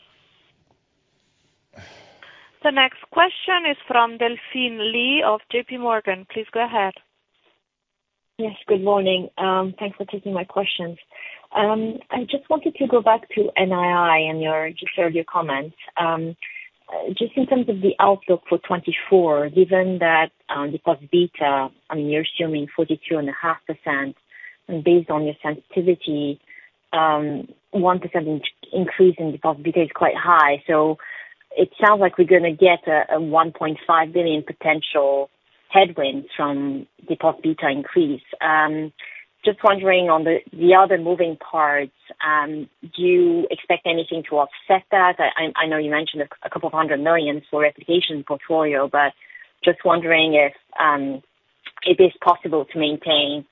The next question is from Delphine Lee of J.P. Morgan. Please go ahead. Yes, good morning. Thanks for taking my questions. I just wanted to go back to NII and your, just heard your comments. Just in terms of the outlook for 2024, given that deposit beta, I mean, you're assuming 42.5% based on your sensitivity, 1% increase in deposit beta is quite high. It sounds like we're going to get a 1.5 billion potential headwind from deposit beta increase. Just wondering on the other moving parts, do you expect anything to offset that? I know you mentioned a 200 million for replication portfolio, but just wondering if it is possible to maintain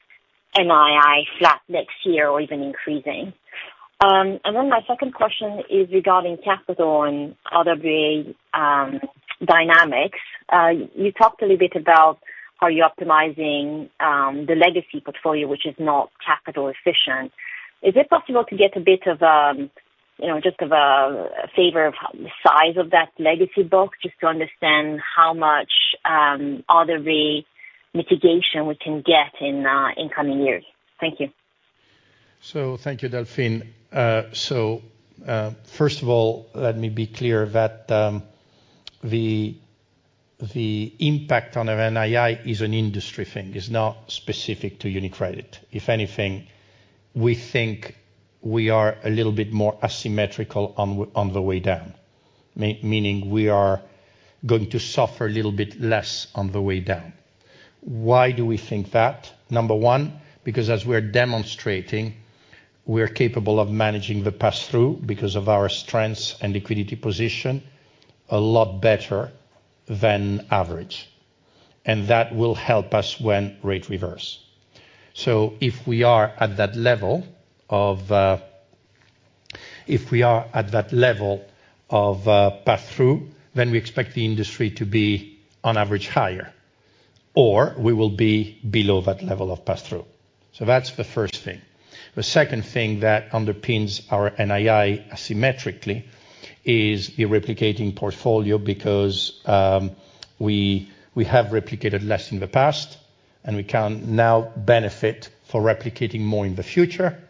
NII flat next year or even increasing. My second question is regarding capital and RWA dynamics. You talked a little bit about how you're optimizing the legacy portfolio, which is not capital efficient. Is it possible to get a bit of, you know, just of a favor of the size of that legacy book, just to understand how much RWA mitigation we can get in coming years? Thank you. Thank you, Delphine. First of all, let me be clear that the impact on our NII is an industry thing. It's not specific to UniCredit. If anything, we think we are a little bit more asymmetrical on the way down, meaning we are going to suffer a little bit less on the way down. Why do we think that? Number one, because as we are demonstrating, we are capable of managing the pass-through because of our strengths and liquidity position a lot better than average. That will help us when rates reverse. If we are at that level of pass-through, then we expect the industry to be on average higher, or we will be below that level of pass-through. That's the first thing. The second thing that underpins our NII asymmetrically is the replicating portfolio, because we have replicated less in the past, and we can now benefit for replicating more in the future,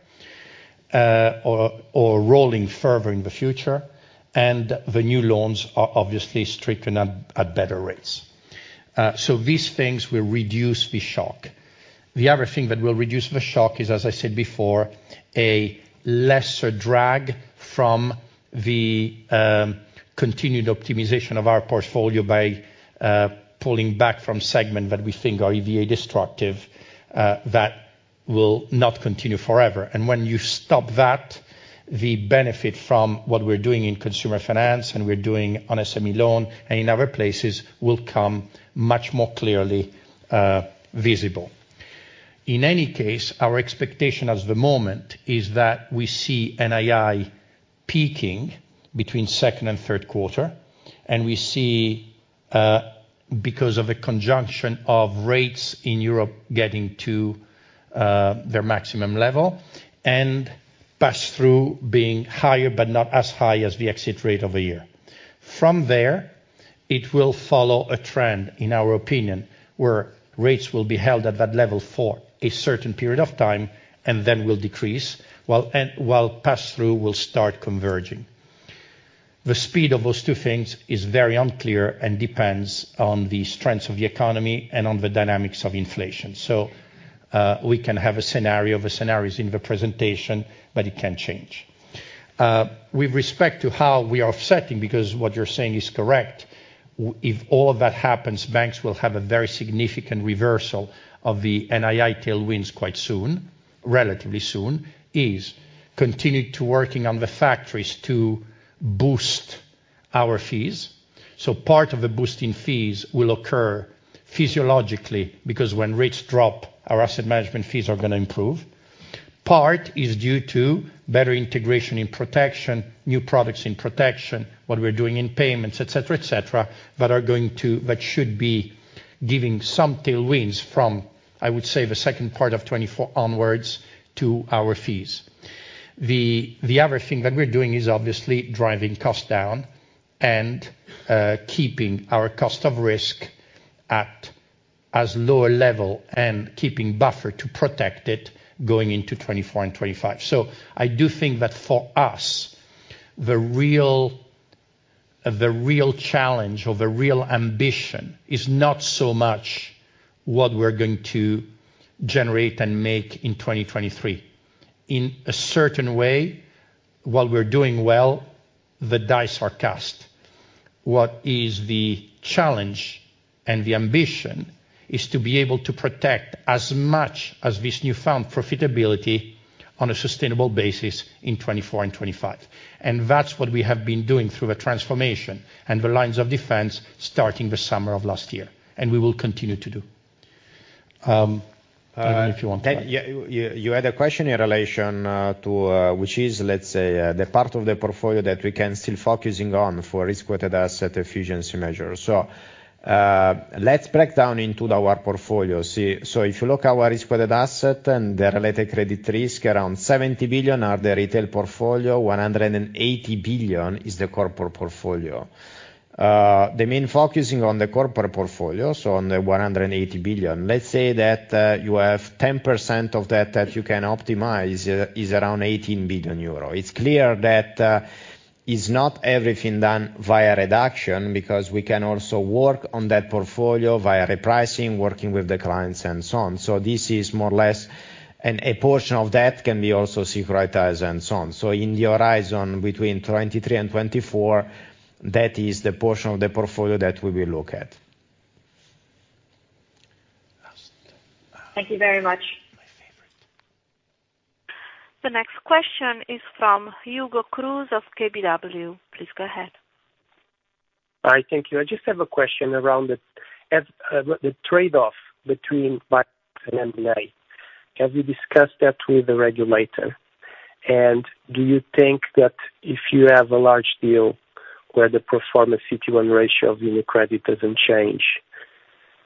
or rolling further in the future. The new loans are obviously stricken at better rates. These things will reduce the shock. The other thing that will reduce the shock is, as I said before, a lesser drag from the continued optimization of our portfolio by pulling back from segment that we think are EVA destructive, that will not continue forever. When you stop that, the benefit from what we're doing in consumer finance, and we're doing on SME loan and in other places, will come much more clearly visible. In any case, our expectation as of the moment is that we see NII peaking between second and third quarter, and we see because of a conjunction of rates in Europe getting to their maximum level and pass-through being higher, but not as high as the exit rate of a year. From there, it will follow a trend, in our opinion, where rates will be held at that level for a certain period of time and then will decrease, while pass-through will start converging. The speed of those two things is very unclear and depends on the strength of the economy and on the dynamics of inflation. We can have a scenario, the scenario is in the presentation, but it can change. With respect to how we are offsetting, because what you're saying is correct. If all of that happens, banks will have a very significant reversal of the NII tailwinds quite soon, relatively soon, is continue to working on the factories to boost our fees. Part of the boost in fees will occur physiologically, because when rates drop, our asset management fees are gonna improve. Part is due to better integration in protection, new products in protection, what we're doing in payments, et cetera, et cetera, that should be giving some tailwinds from, I would say, the second part of 2024 onwards to our fees. The other thing that we're doing is obviously driving costs down and keeping our cost of risk at as low a level and keeping buffer to protect it going into 2024 and 2025. I do think that for us, the real, the real challenge or the real ambition is not so much what we're going to generate and make in 2023. In a certain way, while we're doing well, the dice are cast. What is the challenge and the ambition is to be able to protect as much as this newfound profitability on a sustainable basis in 2024 and 2025. That's what we have been doing through a transformation and the lines of defense starting the summer of last year, and we will continue to do. I don't know if you want to. Yeah, you had a question in relation to which is, let's say, the part of the portfolio that we can still focusing on for risk-weighted asset efficiency measures. Let's break down into our portfolio. See, if you look our risk-weighted asset and the related credit risk, around 70 billion are the retail portfolio, 180 billion is the corporate portfolio. The main focusing on the corporate portfolio, on the 180 billion, let's say that you have 10% of that that you can optimize is around 18 billion euro. It's clear that is not everything done via reduction, because we can also work on that portfolio via repricing, working with the clients and so on. This is more or less. A portion of that can be also securitized and so on. In the horizon between 2023 and 2024, that is the portion of the portfolio that we will look at. Last. Thank you very much. My favorite. The next question is from Hugo Cruz of KBW. Please go ahead. All right. Thank you. I just have a question around the trade-off between buy and M&A, have you discussed that with the regulator? Do you think that if you have a large deal where the performance city-wide ratio of UniCredit doesn't change,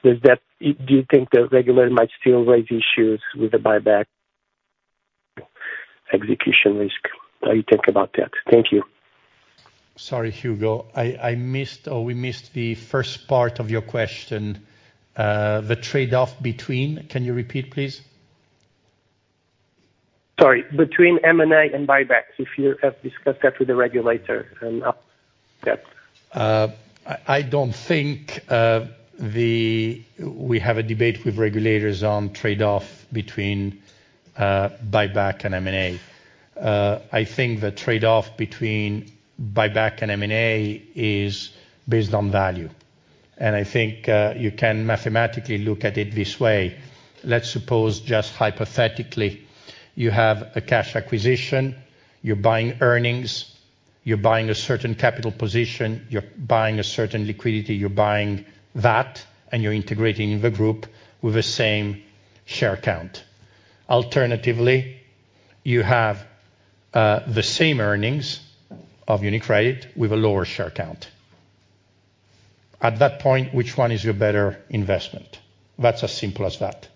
Do you think the regulator might still raise issues with the buyback execution risk? How you think about that? Thank you. Sorry, Hugo, I missed or we missed the first part of your question. The trade-off between... Can you repeat, please? Sorry, between M&A and buybacks, if you have discussed that with the regulator and, yeah. I don't think we have a debate with regulators on trade-off between buyback and M&A. I think the trade-off between buyback and M&A is based on value. I think you can mathematically look at it this way. Let's suppose just hypothetically, you have a cash acquisition, you're buying earnings, you're buying a certain capital position, you're buying a certain liquidity, you're buying that, and you're integrating the group with the same share count. Alternatively, you have the same earnings of UniCredit with a lower share count. At that point, which one is your better investment? That's as simple as that.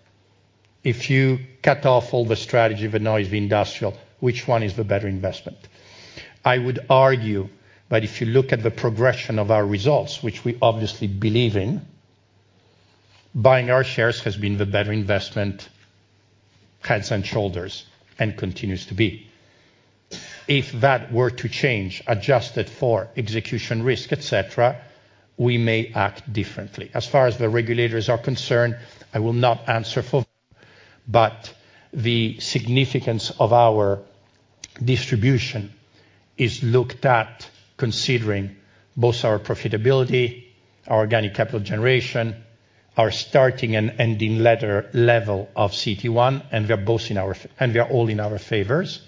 If you cut off all the strategy, the noise, the industrial, which one is the better investment? I would argue that if you look at the progression of our results, which we obviously believe in, buying our shares has been the better investment, heads and shoulders, and continues to be. If that were to change, adjusted for execution risk, et cetera, we may act differently. As far as the regulators are concerned, I will not answer for them, but the significance of our distribution is looked at considering both our profitability, our organic capital generation, our starting and ending level of CT1, and we are all in our favors.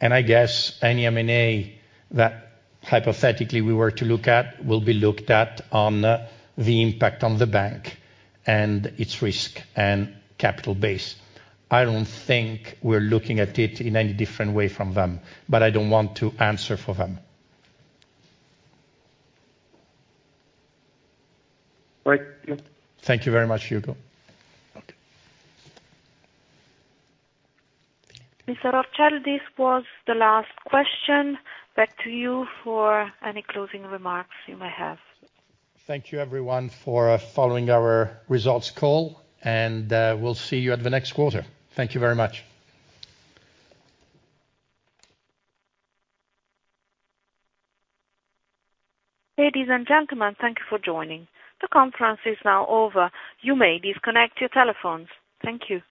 I guess any M&A that hypothetically we were to look at will be looked at on the impact on the bank and its risk and capital base. I don't think we're looking at it in any different way from them, but I don't want to answer for them. Right. Yeah. Thank you very much, Hugo. Okay. Mr. Orcel, this was the last question. Back to you for any closing remarks you may have. Thank you everyone for following our results call. We'll see you at the next quarter. Thank you very much. Ladies and gentlemen, thank you for joining. The conference is now over. You may disconnect your telephones. Thank you.